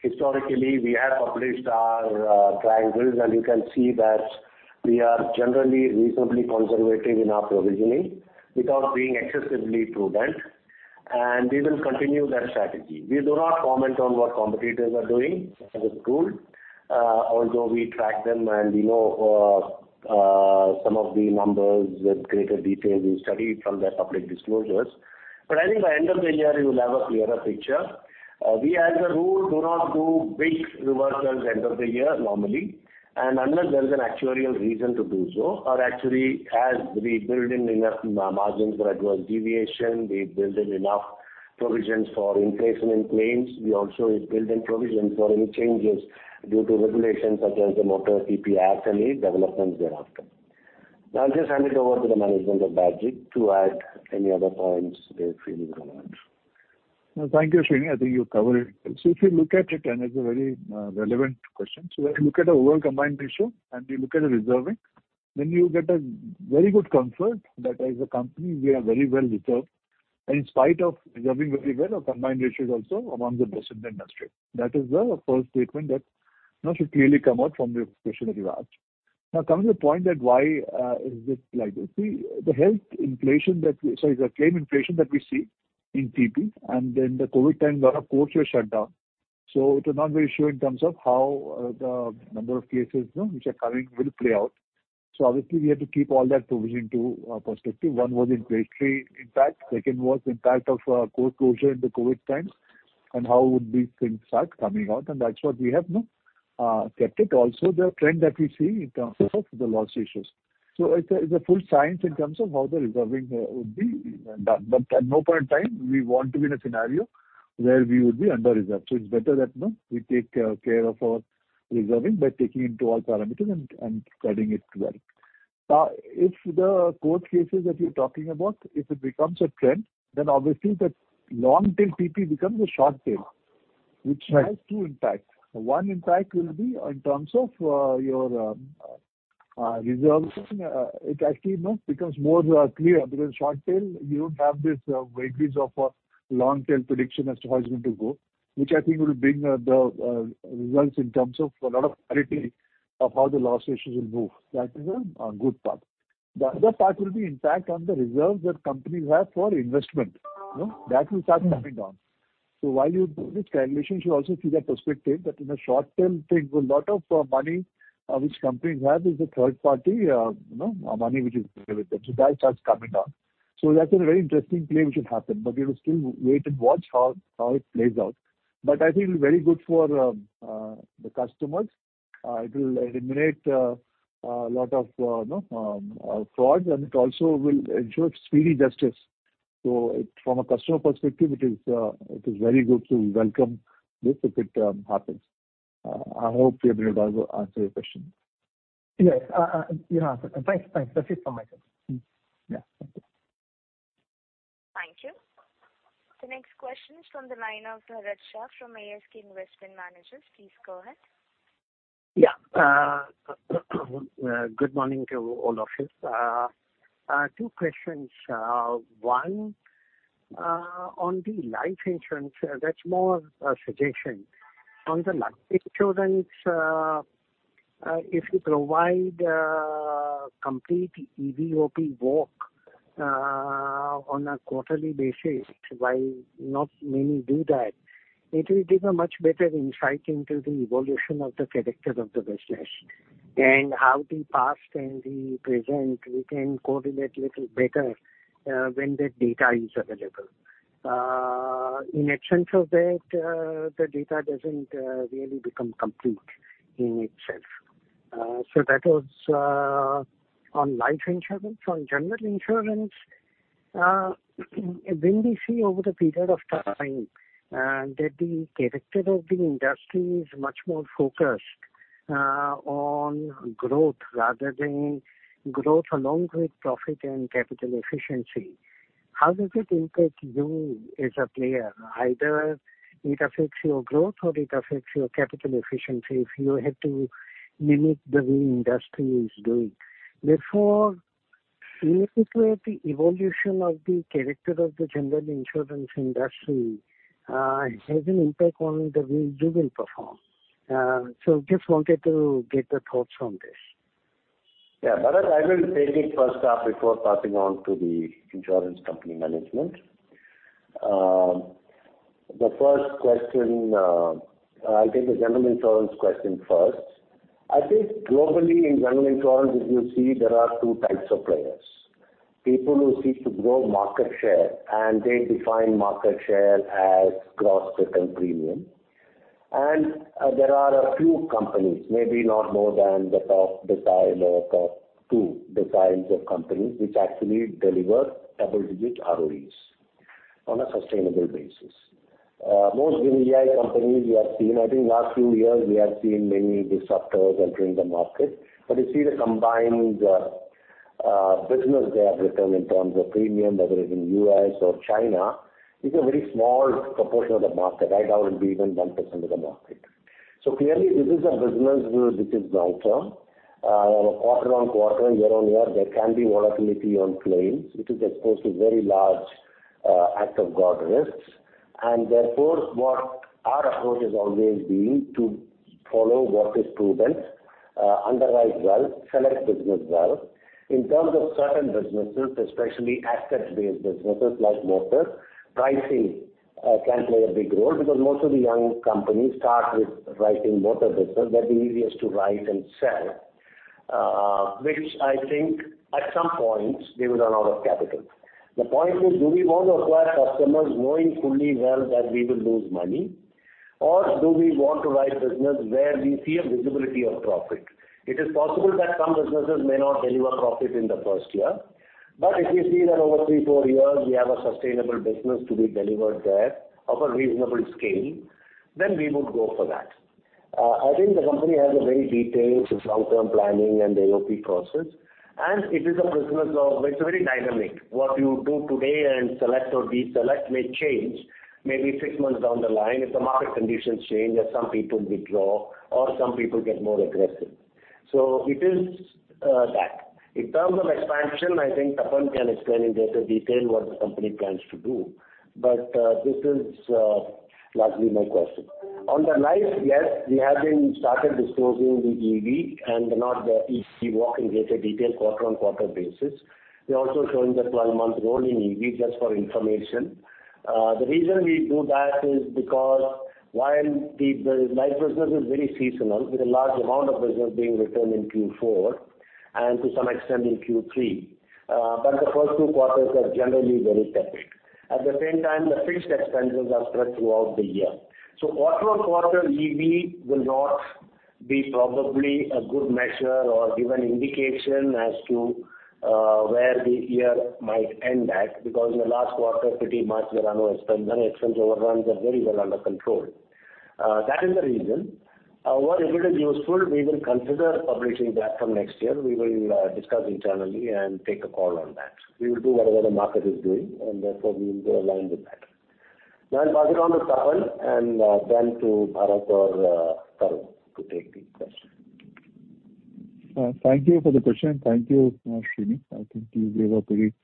Historically, we have published our triangles and you can see that we are generally reasonably conservative in our provisioning without being excessively prudent, and we will continue that strategy. We do not comment on what competitors are doing as a rule, although we track them and we know some of the numbers with greater detail we study from their public disclosures. I think by end of the year you will have a clearer picture. We as a rule do not do big reversals end of the year normally, unless there is an actuarial reason to do so, or actually as we build in enough margins for adverse deviation, we build in enough provisions for inflation in claims. We also build in provisions for any changes due to regulations such as the Motor T.P. Act and any developments thereafter. I'll just hand it over to the management of Bajaj to add any other points they feel relevant. Thank you, Sreeni. I think you covered it. If you look at it, and it's a very relevant question. When you look at the overall combined ratio and you look at the reserving, then you get a very good comfort that as a company we are very well reserved. In spite of reserving very well, our combined ratio is also among the best in the industry. That is the first statement that, you know, should clearly come out from the question that you've asked. Coming to the point that why is it like this? See the health inflation, the claim inflation that we see in TP and then the COVID times lot of courts were shut down. We're not very sure in terms of how the number of cases, you know, which are coming will play out. Obviously we have to keep all that provisioning to perspective. One was inflationary impact, second was impact of court closure in the COVID times and how would these things start coming out and that's what we have no kept it also the trend that we see in terms of the loss ratios. It's a full science in terms of how the reserving would be done. At no point in time we want to be in a scenario where we would be under reserved. It's better that, you know, we take care of our reserving by taking into all parameters and studying it well. If the court cases that you're talking about, if it becomes a trend, then obviously that long tail TP becomes a short tail, which has two impacts. One impact will be in terms of your reserving. It actually, you know, becomes more clear because short tail you don't have this weightage of a long tail prediction as to how it's going to go, which I think will bring the results in terms of a lot of clarity of how the loss ratios will move. That is a good part. The other part will be impact on the reserves that companies have for investment, you know, that will start coming down. While you do this calculation, you should also see that perspective that in a short tail thing a lot of money which companies have is the third party, you know, money which is there with them. That starts coming down. That's a very interesting play which should happen. We will still wait and watch how it plays out. I think very good for the customers. It will eliminate lot of, you know, frauds, and it also will ensure speedy justice. From a customer perspective, it is very good. We welcome this if it happens. I hope I've been able to answer your question. Yes. you have. Thanks. That's it from my side. Yeah. Thank you. Thank you. The next question is from the line of Harit Shah from ASK Investment Managers. Please go ahead. Yeah. Good morning to all of you. Two questions. On the Life Insurance, that's more a suggestion. On the Life Insurance, if you provide complete EVOP walk on a quarterly basis, while not many do that, it will give a much better insight into the evolution of the character of the business and how the past and the present we can coordinate little better, when that data is available. In absence of that, the data doesn't really become complete in itself. That was on Life Insurance. On General Insurance, when we see over the period of time, that the character of the industry is much more focused on growth rather than growth along with profit and capital efficiency, how does it impact you as a player? Either it affects your growth or it affects your capital efficiency if you have to mimic the way industry is doing. In which way the evolution of the character of the General Insurance industry, has an impact on the way you will perform. Just wanted to get the thoughts on this. Yeah. Harit, I will take it first half before passing on to the insurance company management. The first question, I'll take the General Insurance question first. I think globally in General Insurance, if you see, there are two types of players. People who seek to grow market share, and they define market share as gross written premium. There are a few companies, maybe not more than the top decile or top two deciles of companies, which actually deliver double-digit ROEs on a sustainable basis. Most green GI companies we have seen, I think last few years we have seen many disruptors entering the market, but you see the combined business they have written in terms of premium, whether it is in U.S. or China, is a very small proportion of the market. Right now it will be even 1% of the market. Clearly this is a business which is long term. Quarter-on-quarter and year-on-year, there can be volatility on claims, which is exposed to very large act of God risks. Therefore, what our approach has always been to follow what is prudent, underwrite well, select business well. In terms of certain businesses, especially asset-based businesses like motor, pricing can play a big role because most of the young companies start with writing motor business. They're the easiest to write and sell, which I think at some point they run out of capital. The point is, do we want to acquire customers knowing fully well that we will lose money or do we want to write business where we see a visibility of profit? It is possible that some businesses may not deliver profit in the first year. If we see that over three, four years we have a sustainable business to be delivered there of a reasonable scale, then we would go for that. I think the company has a very detailed long-term planning and AOP process. It's very dynamic. What you do today and select or deselect may change maybe six months down the line if the market conditions change, as some people withdraw or some people get more aggressive. It is that. In terms of expansion, I think Tapan can explain in greater detail what the company plans to do. This is largely my question. On the life, yes, we have been started disclosing the EV and not the EC walk in greater detail quarter-on-quarter basis. We're also showing the 12-month rolling EV just for information. The reason we do that is because while the life business is very seasonal, with a large amount of business being written in Q4 and to some extent in Q3, but the first two quarters are generally very tepid. At the same time, the fixed expenses are spread throughout the year. Quarter on quarter EV will not be probably a good measure or give an indication as to where the year might end at, because in the last quarter pretty much there are no expenses. Expense overruns are very well under control. That is the reason. Well, if it is useful, we will consider publishing that from next year. We will discuss internally and take a call on that. We will do whatever the market is doing and therefore we will align with that. Now I'll pass it on to Tapan and then to Bharat or Tarun to take the question. Thank you for the question. Thank you, Sreeni. I think you gave a very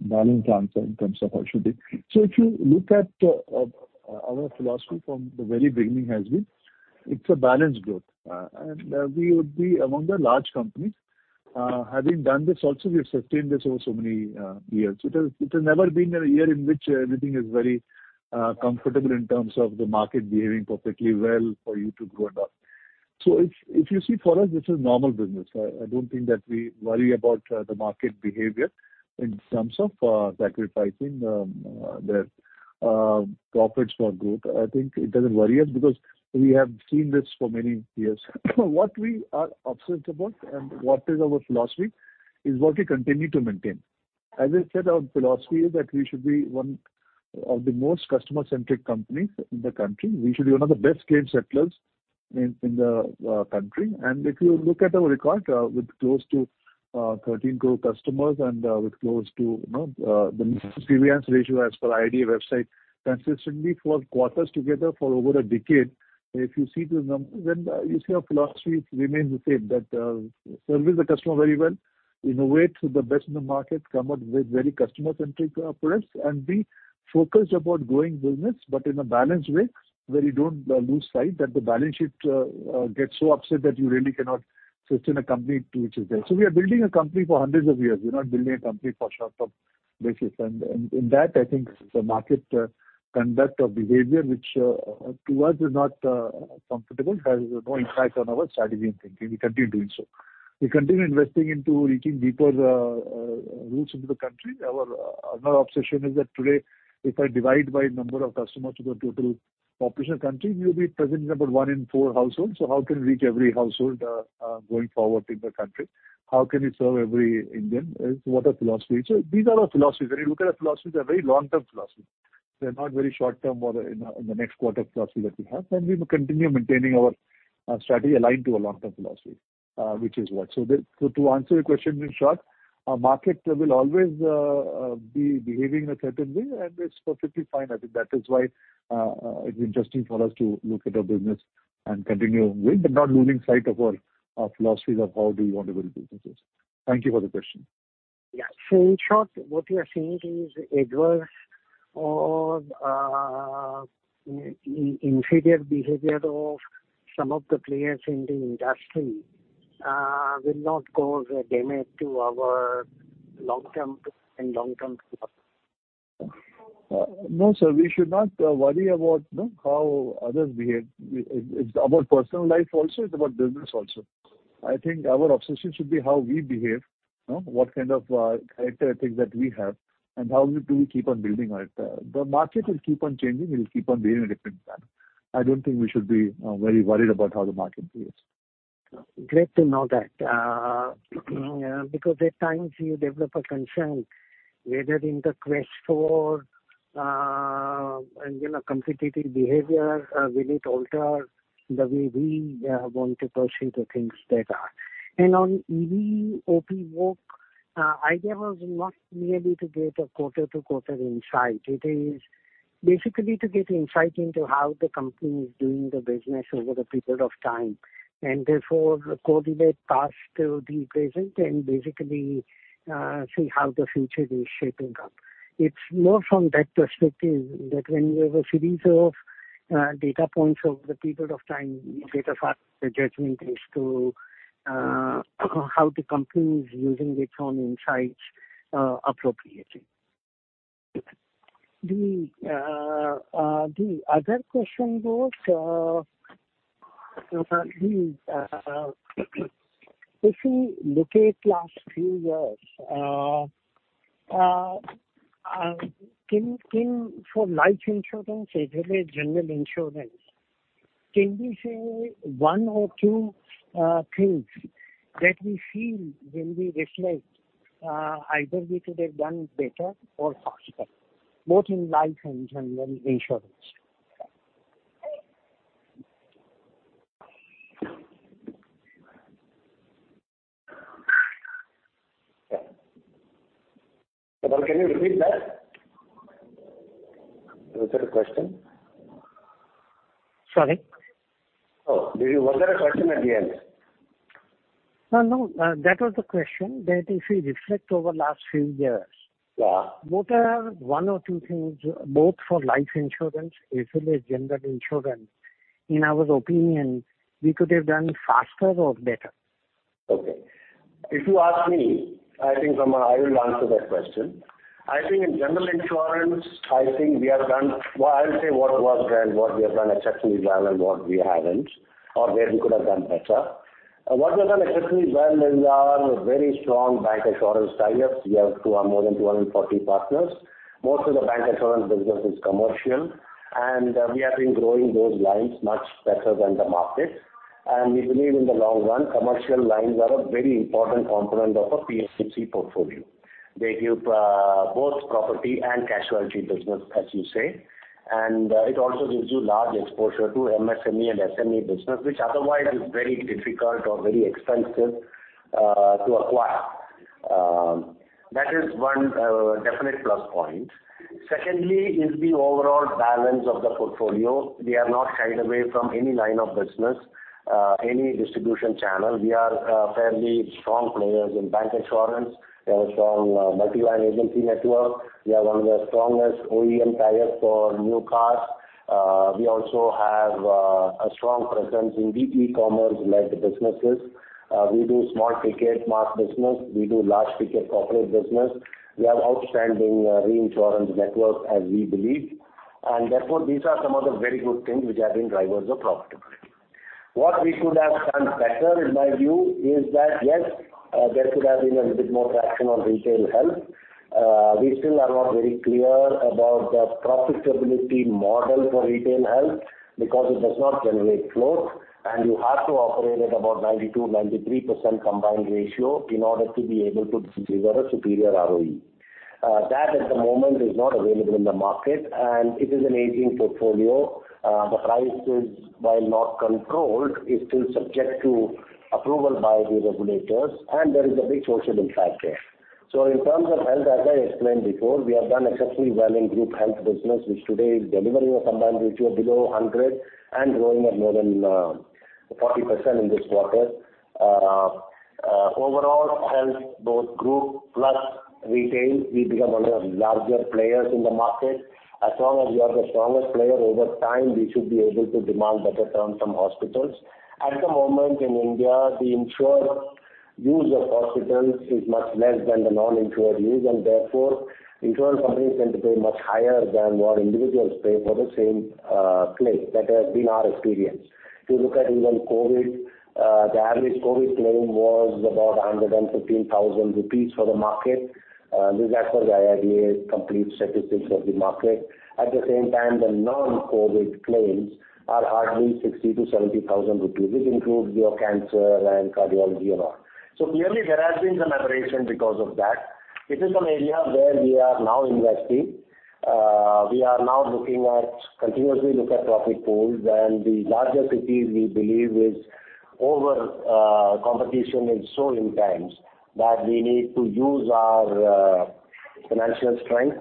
balanced answer in terms of how should we. If you look at our philosophy from the very beginning has been it's a balanced growth, and we would be among the large companies. Having done this also, we have sustained this over so many years. It has never been a year in which everything is very comfortable in terms of the market behaving perfectly well for you to grow and up. If you see for us, this is normal business. I don't think that we worry about the market behavior in terms of sacrificing the profits for growth. I think it doesn't worry us because we have seen this for many years. What we are obsessed about and what is our philosophy is what we continue to maintain. As I said, our philosophy is that we should be one of the most customer-centric companies in the country. We should be one of the best claim settlers in the country. If you look at our record, with close to 13 crore customers and, with close to, you know, the ratio as per IRDAI website consistently for quarters together for over a decade, if you see then you see our philosophy remains the same, that, service the customer very well Innovate with the best in the market, come up with very customer-centric products, and be focused about growing business, but in a balanced way where you don't lose sight that the balance sheet gets so upset that you really cannot sustain a company to which is there. We are building a company for hundreds of years. We're not building a company for short-term basis. In that, I think the market conduct or behavior, which to us is not comfortable, has no impact on our strategy and thinking. We continue doing so. We continue investing into reaching deeper roots into the country. Another obsession is that today, if I divide by number of customers to the total population of country, we will be present in about one in four households. How can we reach every household, going forward in the country? How can we serve every Indian is what our philosophy is. These are our philosophies. When you look at our philosophies, they're very long-term philosophy. They're not very short-term or in a, in the next quarter philosophy that we have. We will continue maintaining our strategy aligned to a long-term philosophy, which is what. To answer your question in short, our market will always be behaving a certain way, and it's perfectly fine. I think that is why it's interesting for us to look at our business and continue with, but not losing sight of our philosophies of how do we want to build businesses. Thank you for the question. Yeah. In short, what we are seeing is adverse or, inferior behavior of some of the players in the industry, will not cause a damage to our long-term and long-term growth. No, sir. We should not worry about, you know, how others behave. It's about personal life also, it's about business also. I think our obsession should be how we behave, you know, what kind of character ethics that we have and how we do keep on building on it. The market will keep on changing. It'll keep on behaving a different manner. I don't think we should be very worried about how the market behaves. Great to know that. Because at times you develop a concern whether in the quest for, you know, competitive behavior, will it alter the way we want to pursue the things that are. On EVOP walk, idea was not merely to get a quarter-to-quarter insight. It is basically to get insight into how the company is doing the business over a period of time, and therefore correlate past to the present and basically, see how the future is shaping up. It's more from that perspective that when you have a series of data points over the period of time, you get a fair judgment as to how the company is using its own insights, appropriately. The other question was, if we look at last few years, can for Life Insurance as well as General Insurance, can we say one or two things that we feel when we reflect, either we could have done better or faster, both in life and General Insurance? can you repeat that? Was there a question? Sorry. Oh, was there a question at the end? That was the question, that if we reflect over last few years. Yeah. What are one or two things both for Life Insurance as well as General Insurance, in our opinion, we could have done faster or better? Okay. If you ask me, I think, I will answer that question. I think in General Insurance, I think we have done. Well, I'll say what was done, what we have done exceptionally well and what we haven't or where we could have done better. What we have done exceptionally well is our very strong bank insurance tie-ups. We have more than 240 partners. Most of the bank insurance business is commercial, and we have been growing those lines much better than the market. We believe in the long run, commercial lines are a very important component of a P&C portfolio. They give both property and casualty business, as you say, and it also gives you large exposure to MSME and SME business, which otherwise is very difficult or very expensive to acquire. That is one definite plus point. Secondly is the overall balance of the portfolio. We have not shied away from any line of business, any distribution channel. We are fairly strong players in bank insurance. We have a strong multi-line agency network. We are one of the strongest OEM tie-ups for new cars. We also have a strong presence in B2E-commerce-led businesses. We do small ticket mass business. We do large ticket corporate business. We have outstanding reinsurance network as we believe. Therefore, these are some of the very good things which have been drivers of profitability. What we could have done better, in my view, is that, yes, there could have been a little bit more traction on Retail Health. We still are not very clear about the profitability model for Retail Health because it does not generate float, and you have to operate at about 92%-93% combined ratio in order to be able to deliver a superior ROE. That at the moment is not available in the market, and it is an aging portfolio. The price is, while not controlled, is still subject to approval by the regulators, and there is a big sourcing impact there. In terms of health, as I explained before, we have done exceptionally well in group health business, which today is delivering a combined ratio of below 100 and growing at more than 40% in this quarter. Overall health, both group plus retail, we become one of larger players in the market. As long as we are the strongest player over time, we should be able to demand better terms from hospitals. At the moment in India, the insured use of hospitals is much less than the non-insured use, and therefore insured companies tend to pay much higher than what individuals pay for the same claim. That has been our experience. If you look at even COVID, the average COVID claim was about 115,000 rupees for the market. This is as per the IRDAI complete statistics of the market. At the same time, the non-COVID claims are hardly 60,000-70,000 rupees. This includes your cancer and cardiology and all. Clearly there has been some aberration because of that. It is an area where we are now investing. We are now looking at continuously look at profit pools and the larger cities we believe is over. Competition is so intense that we need to use our financial strength,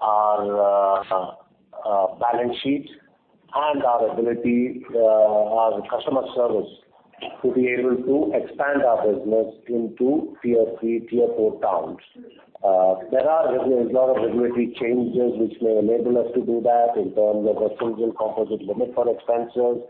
our balance sheets and our ability, our customer service to be able to expand our business into tier three, tier four towns. There are lot of regulatory changes which may enable us to do that in terms of a single composite limit for expenses.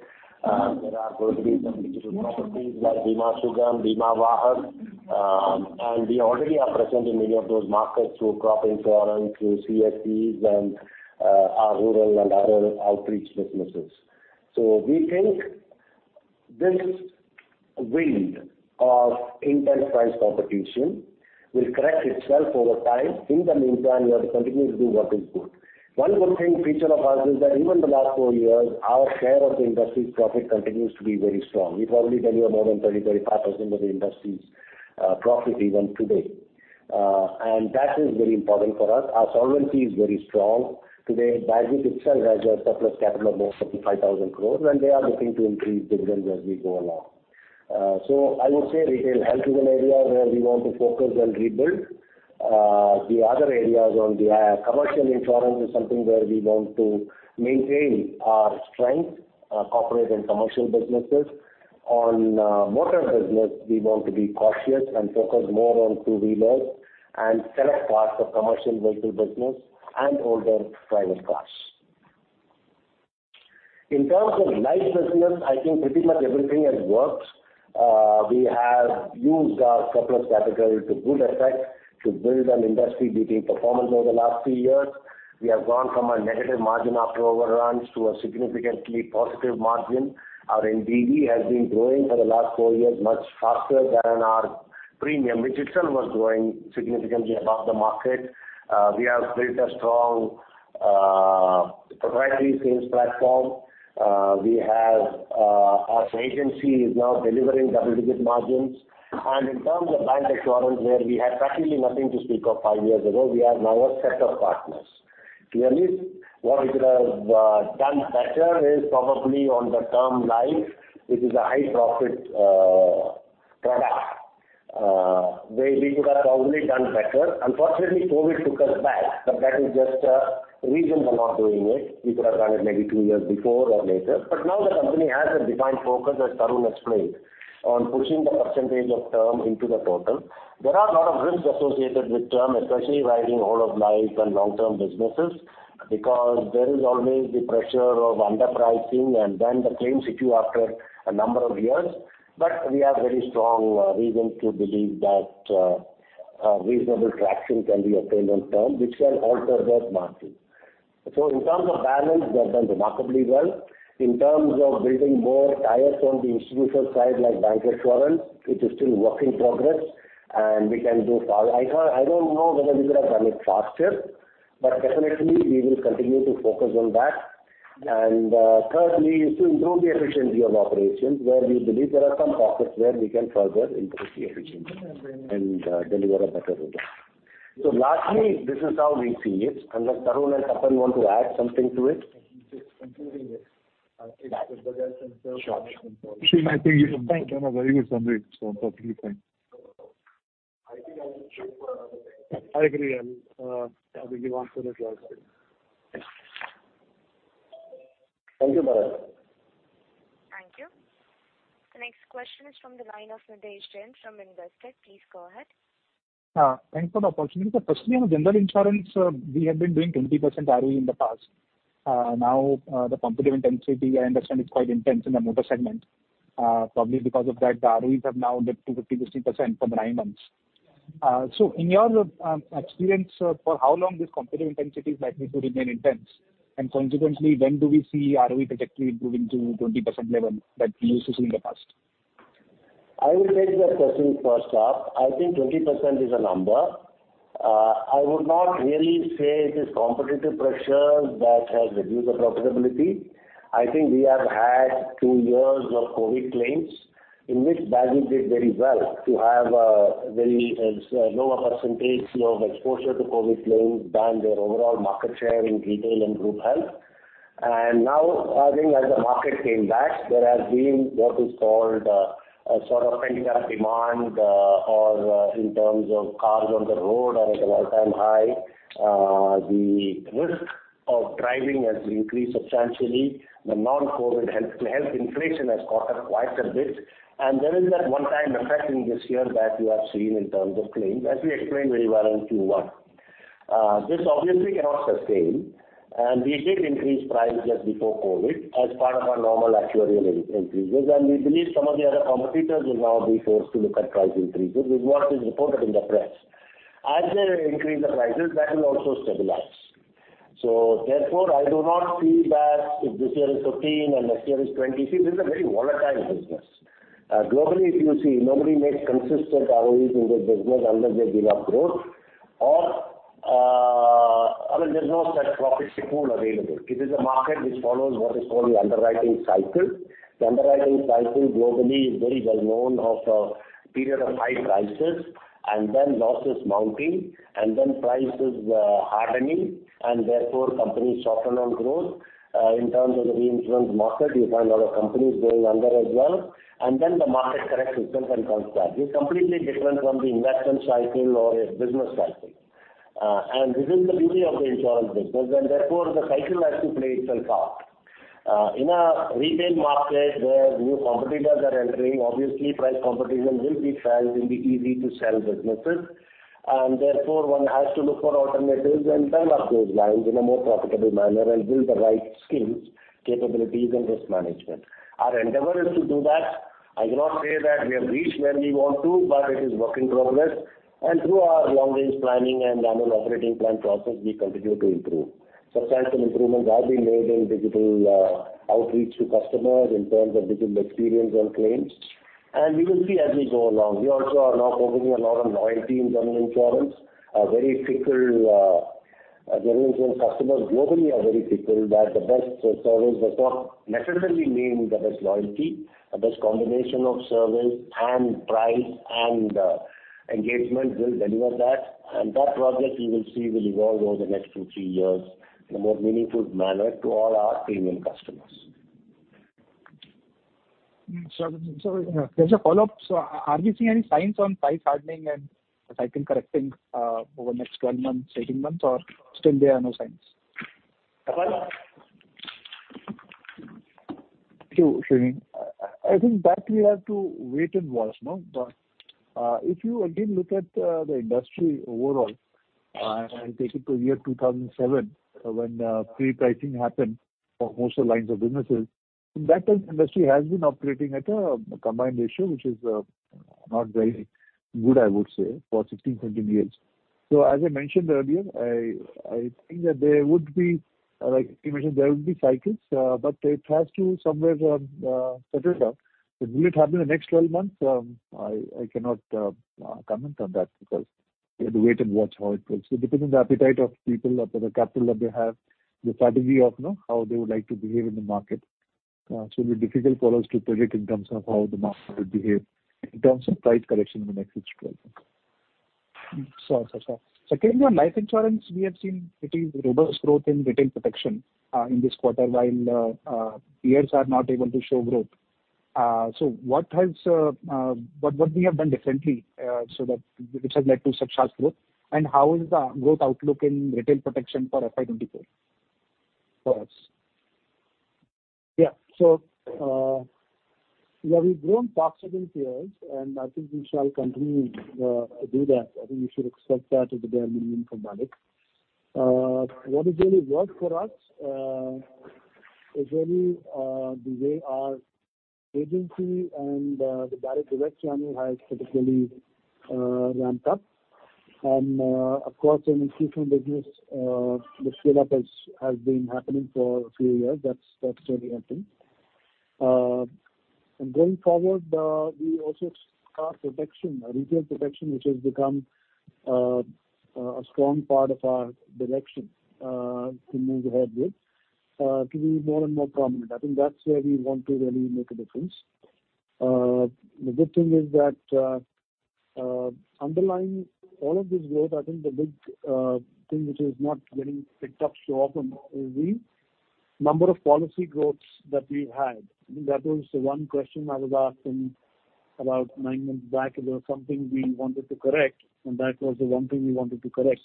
There are going to be some digital properties like Bima Sugam, Bima Wahak. We already are present in many of those markets through crop insurance, through CSBs and our rural and other outreach businesses. We think this wind of intense price competition will correct itself over time. In the meantime, we have to continue to do what is good. One good thing feature of ours is that even the last four years, our share of the industry's profit continues to be very strong. We probably deliver more than 30%-35% of the industry's profit even today. That is very important for us. Our solvency is very strong. Today, Bajaj itself has a surplus capital of more than 5,000 crores, they are looking to increase dividends as we go along. I would say Retail Health is an area where we want to focus and rebuild. The other areas commercial insurance is something where we want to maintain our strength, corporate and commercial businesses. On motor business, we want to be cautious and focus more on two-wheelers and select parts of commercial vehicle business and older private cars. In terms of life business, I think pretty much everything has worked. We have used our surplus capital to good effect to build an industry-beating performance over the last three years. We have gone from a negative margin after overruns to a significantly positive margin. Our NBD has been growing for the last four years much faster than our premium, which itself was growing significantly above the market. We have built a strong proprietary sales platform. We have, our agency is now delivering double-digit margins. In terms of bank insurance, where we had practically nothing to speak of five years ago, we have now a set of partners. Clearly, what we could have done better is probably on the term life, which is a high profit product. We could have probably done better. Unfortunately, COVID took us back, but that is just a reason for not doing it. We could have done it maybe two years before or later. Now the company has a defined focus, as Tarun explained, on pushing the percentage of term into the total. There are a lot of risks associated with term, especially writing whole of life and long-term businesses because there is always the pressure of underpricing and then the claims hit you after a number of years. We have very strong reason to believe that a reasonable traction can be obtained on term which can alter those margins. In terms of balance, we have done remarkably well. In terms of building more tires on the institutional side, like bank insurance, it is still work in progress, and we can do far. I don't know whether we could have done it faster, but definitely we will continue to focus on that. Third, we need to improve the efficiency of operations where we believe there are some pockets where we can further increase the efficiency and deliver a better result. Lastly, this is how we see it unless Tarun and Tapan want to add something to it. Sure, sure. Thank you. I think you've done a very good summary, so perfectly fine. I agree. I'll, I will give answer as well. Thank you, Bharat. Thank you. The next question is from the line of Nidhesh Jain from Investec. Please go ahead. Thanks for the opportunity. Firstly, on General Insurance, we have been doing 20% ROE in the past. Now, the competitive intensity I understand is quite intense in the motor segment. Probably because of that, the ROEs have now dipped to 15%-16% for nine months. In your experience, sir, for how long this competitive intensity is likely to remain intense? Consequently, when do we see ROE trajectory improving to 20% level that we used to see in the past? I will take that question first up. I think 20% is a number. I would not really say it is competitive pressure that has reduced the profitability. I think we have had two years of COVID claims in which Bajaj did very well to have a very lower percentage of exposure to COVID claims than their overall market share in retail and group health. Now I think as the market came back, there has been what is called a sort of pent-up demand, or in terms of cars on the road are at all-time high. The risk of driving has increased substantially. The non-COVID health inflation has caught up quite a bit. There is that one time effect in this year that you have seen in terms of claims, as we explained very well in Q1. This obviously cannot sustain, we did increase price just before COVID as part of our normal actuarial increases. We believe some of the other competitors will now be forced to look at price increases with what is reported in the press. As they increase the prices, that will also stabilize. Therefore, I do not feel that if this year is 15 and next year is 20. See, this is a very volatile business. Globally, if you see nobody makes consistent ROEs in this business unless they give up growth or, I mean, there's no such profit school available. It is a market which follows what is called the underwriting cycle. The underwriting cycle globally is very well known of a period of high prices and then losses mounting, and then prices, hardening and therefore companies soften on growth. In terms of the reinsurance market, you find a lot of companies going under as well. The market corrects itself and comes back. It's completely different from the investment cycle or a business cycle. This is the beauty of the insurance business, and therefore the cycle has to play itself out. In a retail market where new competitors are entering, obviously price competition will be felt in the easy to sell businesses, and therefore one has to look for alternatives and turn up those lines in a more profitable manner and build the right skills, capabilities and risk management. Our endeavor is to do that. I cannot say that we have reached where we want to, but it is work in progress. Through our long range planning and annual operating plan process, we continue to improve. Substantial improvements are being made in digital outreach to customers in terms of digital experience on claims, and we will see as we go along. We also are now focusing a lot on loyalty in General Insurance. A very fickle General Insurance customers globally are very fickle that the best service does not necessarily mean the best loyalty. The best combination of service and price and engagement will deliver that. That project you will see will evolve over the next two, three years in a more meaningful manner to all our premium customers. There's a follow-up. Are we seeing any signs on price hardening and the cycle correcting, over the next 12 months, 18 months, or still there are no signs? [Tapan] Thank you, Sreeni. I think that we have to wait and watch, no. If you again look at the industry overall and take it to year 2007 when pre-pricing happened for most lines of businesses, in that time the industry has been operating at a combined ratio which is not very good, I would say, for 16, 17 years. As I mentioned earlier, I think that there would be like images, there will be cycles, but it has to somewhere settle down. Will it happen in the next 12 months? I cannot comment on that because we have to wait and watch how it goes. Depending on the appetite of people or the capital that they have, the strategy of, you know, how they would like to behave in the market, it will be difficult for us to predict in terms of how the market will behave in terms of price correction in the next 6-12 months. Sure. Sure, sure. Secondly, on Life Insurance, we have seen pretty robust growth in retail protection, in this quarter, while peers are not able to show growth. What has, what we have done differently, so that which has led to such fast growth? How is the growth outlook in retail protection for FY 2024 for us? Yeah. Yeah, we've grown faster than peers, and I think we shall continue do that. I think you should expect that as a bare minimum from BALIC. What has really worked for us is really the way our agency and the direct channel has critically ramped up. Of course, in institutional business, the scale-up has been happening for a few years. That's really helping. Going forward, we also have protection, retail protection, which has become a strong part of our direction to move ahead with to be more and more prominent. I think that's where we want to really make a difference. The good thing is that, underlying all of this growth, I think the big thing which is not getting picked up show up in ROE, number of policy growths that we've had. I think that was the one question I was asking about nine months back. It was something we wanted to correct, and that was the one thing we wanted to correct.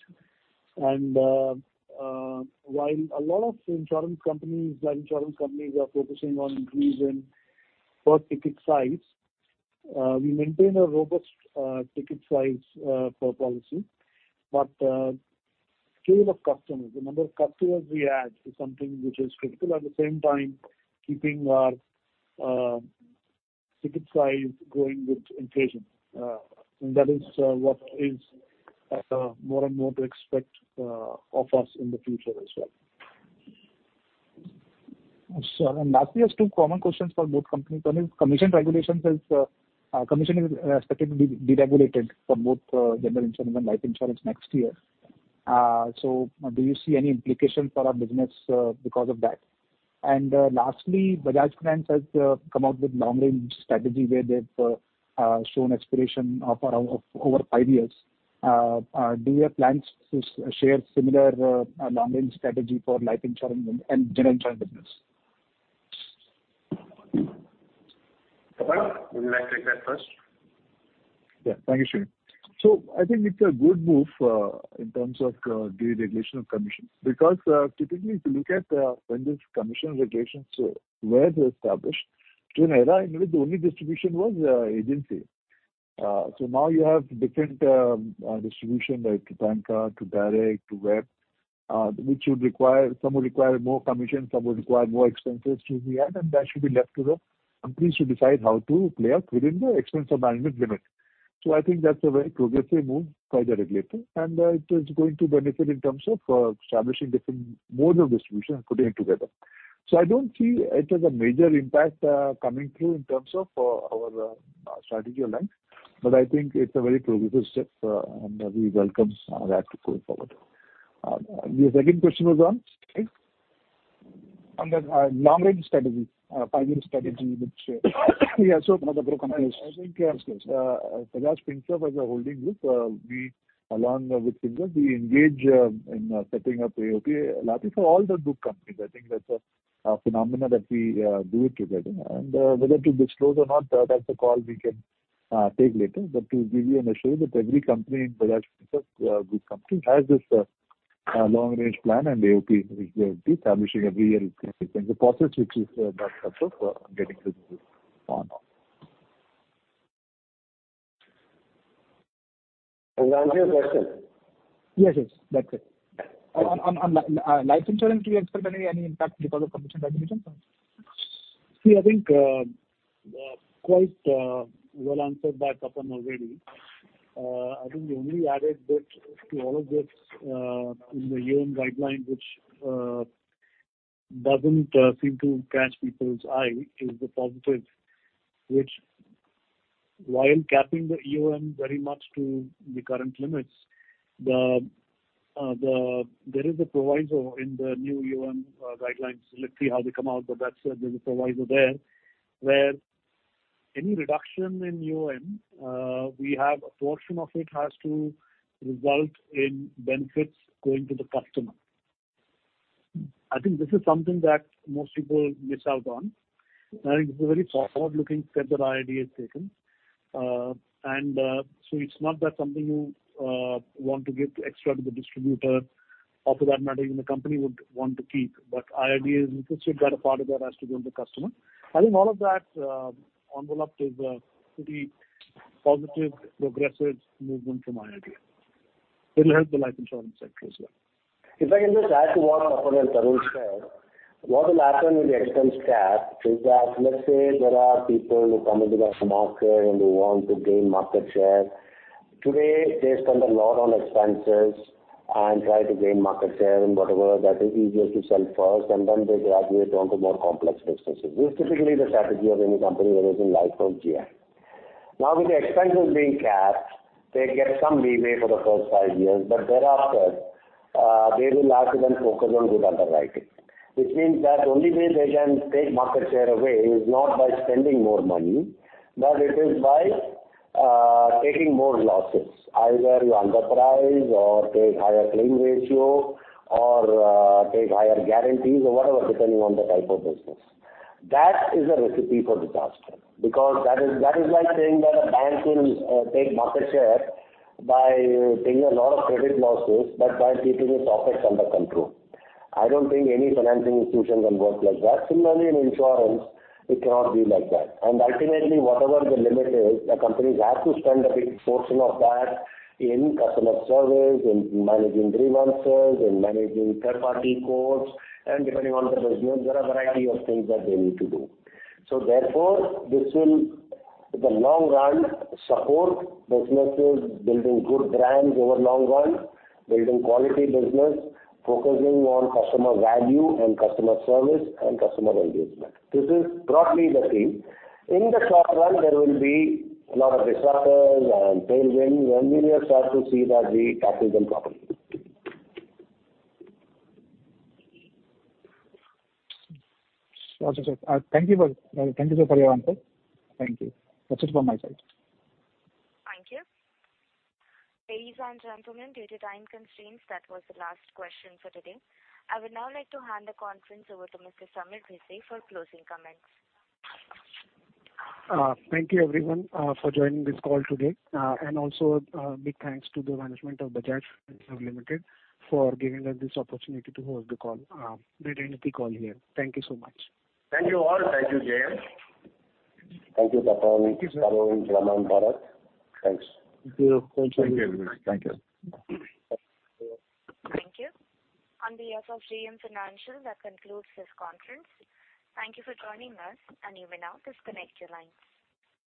While a lot of insurance companies, Life Insurance companies are focusing on increasing per ticket size, we maintain a robust ticket size per policy. Scale of customers, the number of customers we add is something which is critical. At the same time, keeping our ticket size growing with inflation. That is what is more and more to expect of us in the future as well. Sure. Lastly, there's two common questions for both companies. One is commission regulations is, commission is expected to be deregulated for both General Insurance and Life Insurance next year. Do you see any implications for our business because of that? Lastly, Bajaj Finance has come out with long range strategy where they've shown aspiration of over five years. Do you have plans to share similar long range strategy for Life Insurance and General Insurance business? Tapan, would you like to take that first? Yeah. Thank you, Sreeni. I think it's a good move in terms of deregulation of commissions. Typically if you look at when this commission regulations were established, to an era in which the only distribution was agency. Now you have different distribution, like to banker, to direct, to web, some would require more commission, some would require more expenses to be had, and that should be left to the companies to decide how to play out within the expense of management limit. I think that's a very progressive move by the regulator, and it is going to benefit in terms of establishing different modes of distribution and putting it together. I don't see it as a major impact coming through in terms of our strategic alliance. I think it's a very progressive step, and we welcome that going forward. Your second question was on? On the long range strategy. Five-year strategy which, Yeah, sure. I think, Bajaj Finserv as a holding group, we along with Finserv, we engage in setting up AOP lately for all the group companies. I think that's a phenomena that we do it together. Whether to disclose or not, that's a call we can take later. But to give you an assurance that every company in Bajaj Finserv group company has this long range plan and AOP which they'll be establishing every year. It's a process which is now set up getting this on. Answer your question. Yes, yes. That's it. On Life Insurance, do you expect any impact because of commission regulation? See, I think, quite well answered by Tapan already. I think the only added bit to all of this in the EOM guideline which doesn't seem to catch people's eye is the positive, which while capping the EOM very much to the current limits, the there is a proviso in the new EOM guidelines. Let's see how they come out, but that said, there's a proviso there, where any reduction in EOM, a portion of it has to result in benefits going to the customer. I think this is something that most people miss out on. I think this is a very forward-looking step that IRDAI has taken. It's not that something you want to give extra to the distributor or for that matter even the company would want to keep, but IRDAI is insisting that a part of that has to go to the customer. I think all of that, enveloped is a pretty positive, progressive movement from IRDAI. It'll help the Life Insurance sector as well. If I can just add to what Tapan Singhel and Tarun Chugh said, what will happen with the expense cap is that let's say there are people who come into the market and they want to gain market share. Today, they spend a lot on expenses and try to gain market share and whatever that is easier to sell first, and then they graduate onto more complex businesses. This is typically the strategy of any company whether it's in life or GI. Now, with the expenses being capped, they get some leeway for the first five years, but thereafter, they will have to then focus on good underwriting. Which means that the only way they can take market share away is not by spending more money, but it is by taking more losses. Either you underprice or take higher claim ratio or take higher guarantees or whatever, depending on the type of business. That is a recipe for disaster because that is like saying that a bank will take market share by taking a lot of credit losses but by keeping its OpEx under control. I don't think any financing institution can work like that. Similarly in insurance, it cannot be like that. Ultimately, whatever the limit is, the companies have to spend a big portion of that in customer service, in managing grievances, in managing third-party quotes. Depending on the business, there are a variety of things that they need to do. Therefore, this will in the long run support businesses building good brands over long run, building quality business, focusing on customer value and customer service and customer engagement. This is broadly the theme. In the short run, there will be a lot of disruptors and tailwinds, and we are sure to see that we tackle them properly. Sure. Thank you sir for your answer. Thank you. That's it from my side. Thank you. Ladies and gentlemen, due to time constraints, that was the last question for today. I would now like to hand the conference over to Mr. Sameer Bhise for closing comments. Thank you everyone, for joining this call today. Big thanks to the management of Bajaj Finserv Limited for giving us this opportunity to host the call, the identity call here. Thank you so much. Thank you all. Thank you, JM. Thank you Tapan, Tarun, Raman and Bharat. Thanks. Thank you. Thank you. Thank you. Thank you. On behalf of JM Financial, that concludes this conference. Thank you for joining us, and you may now disconnect your line.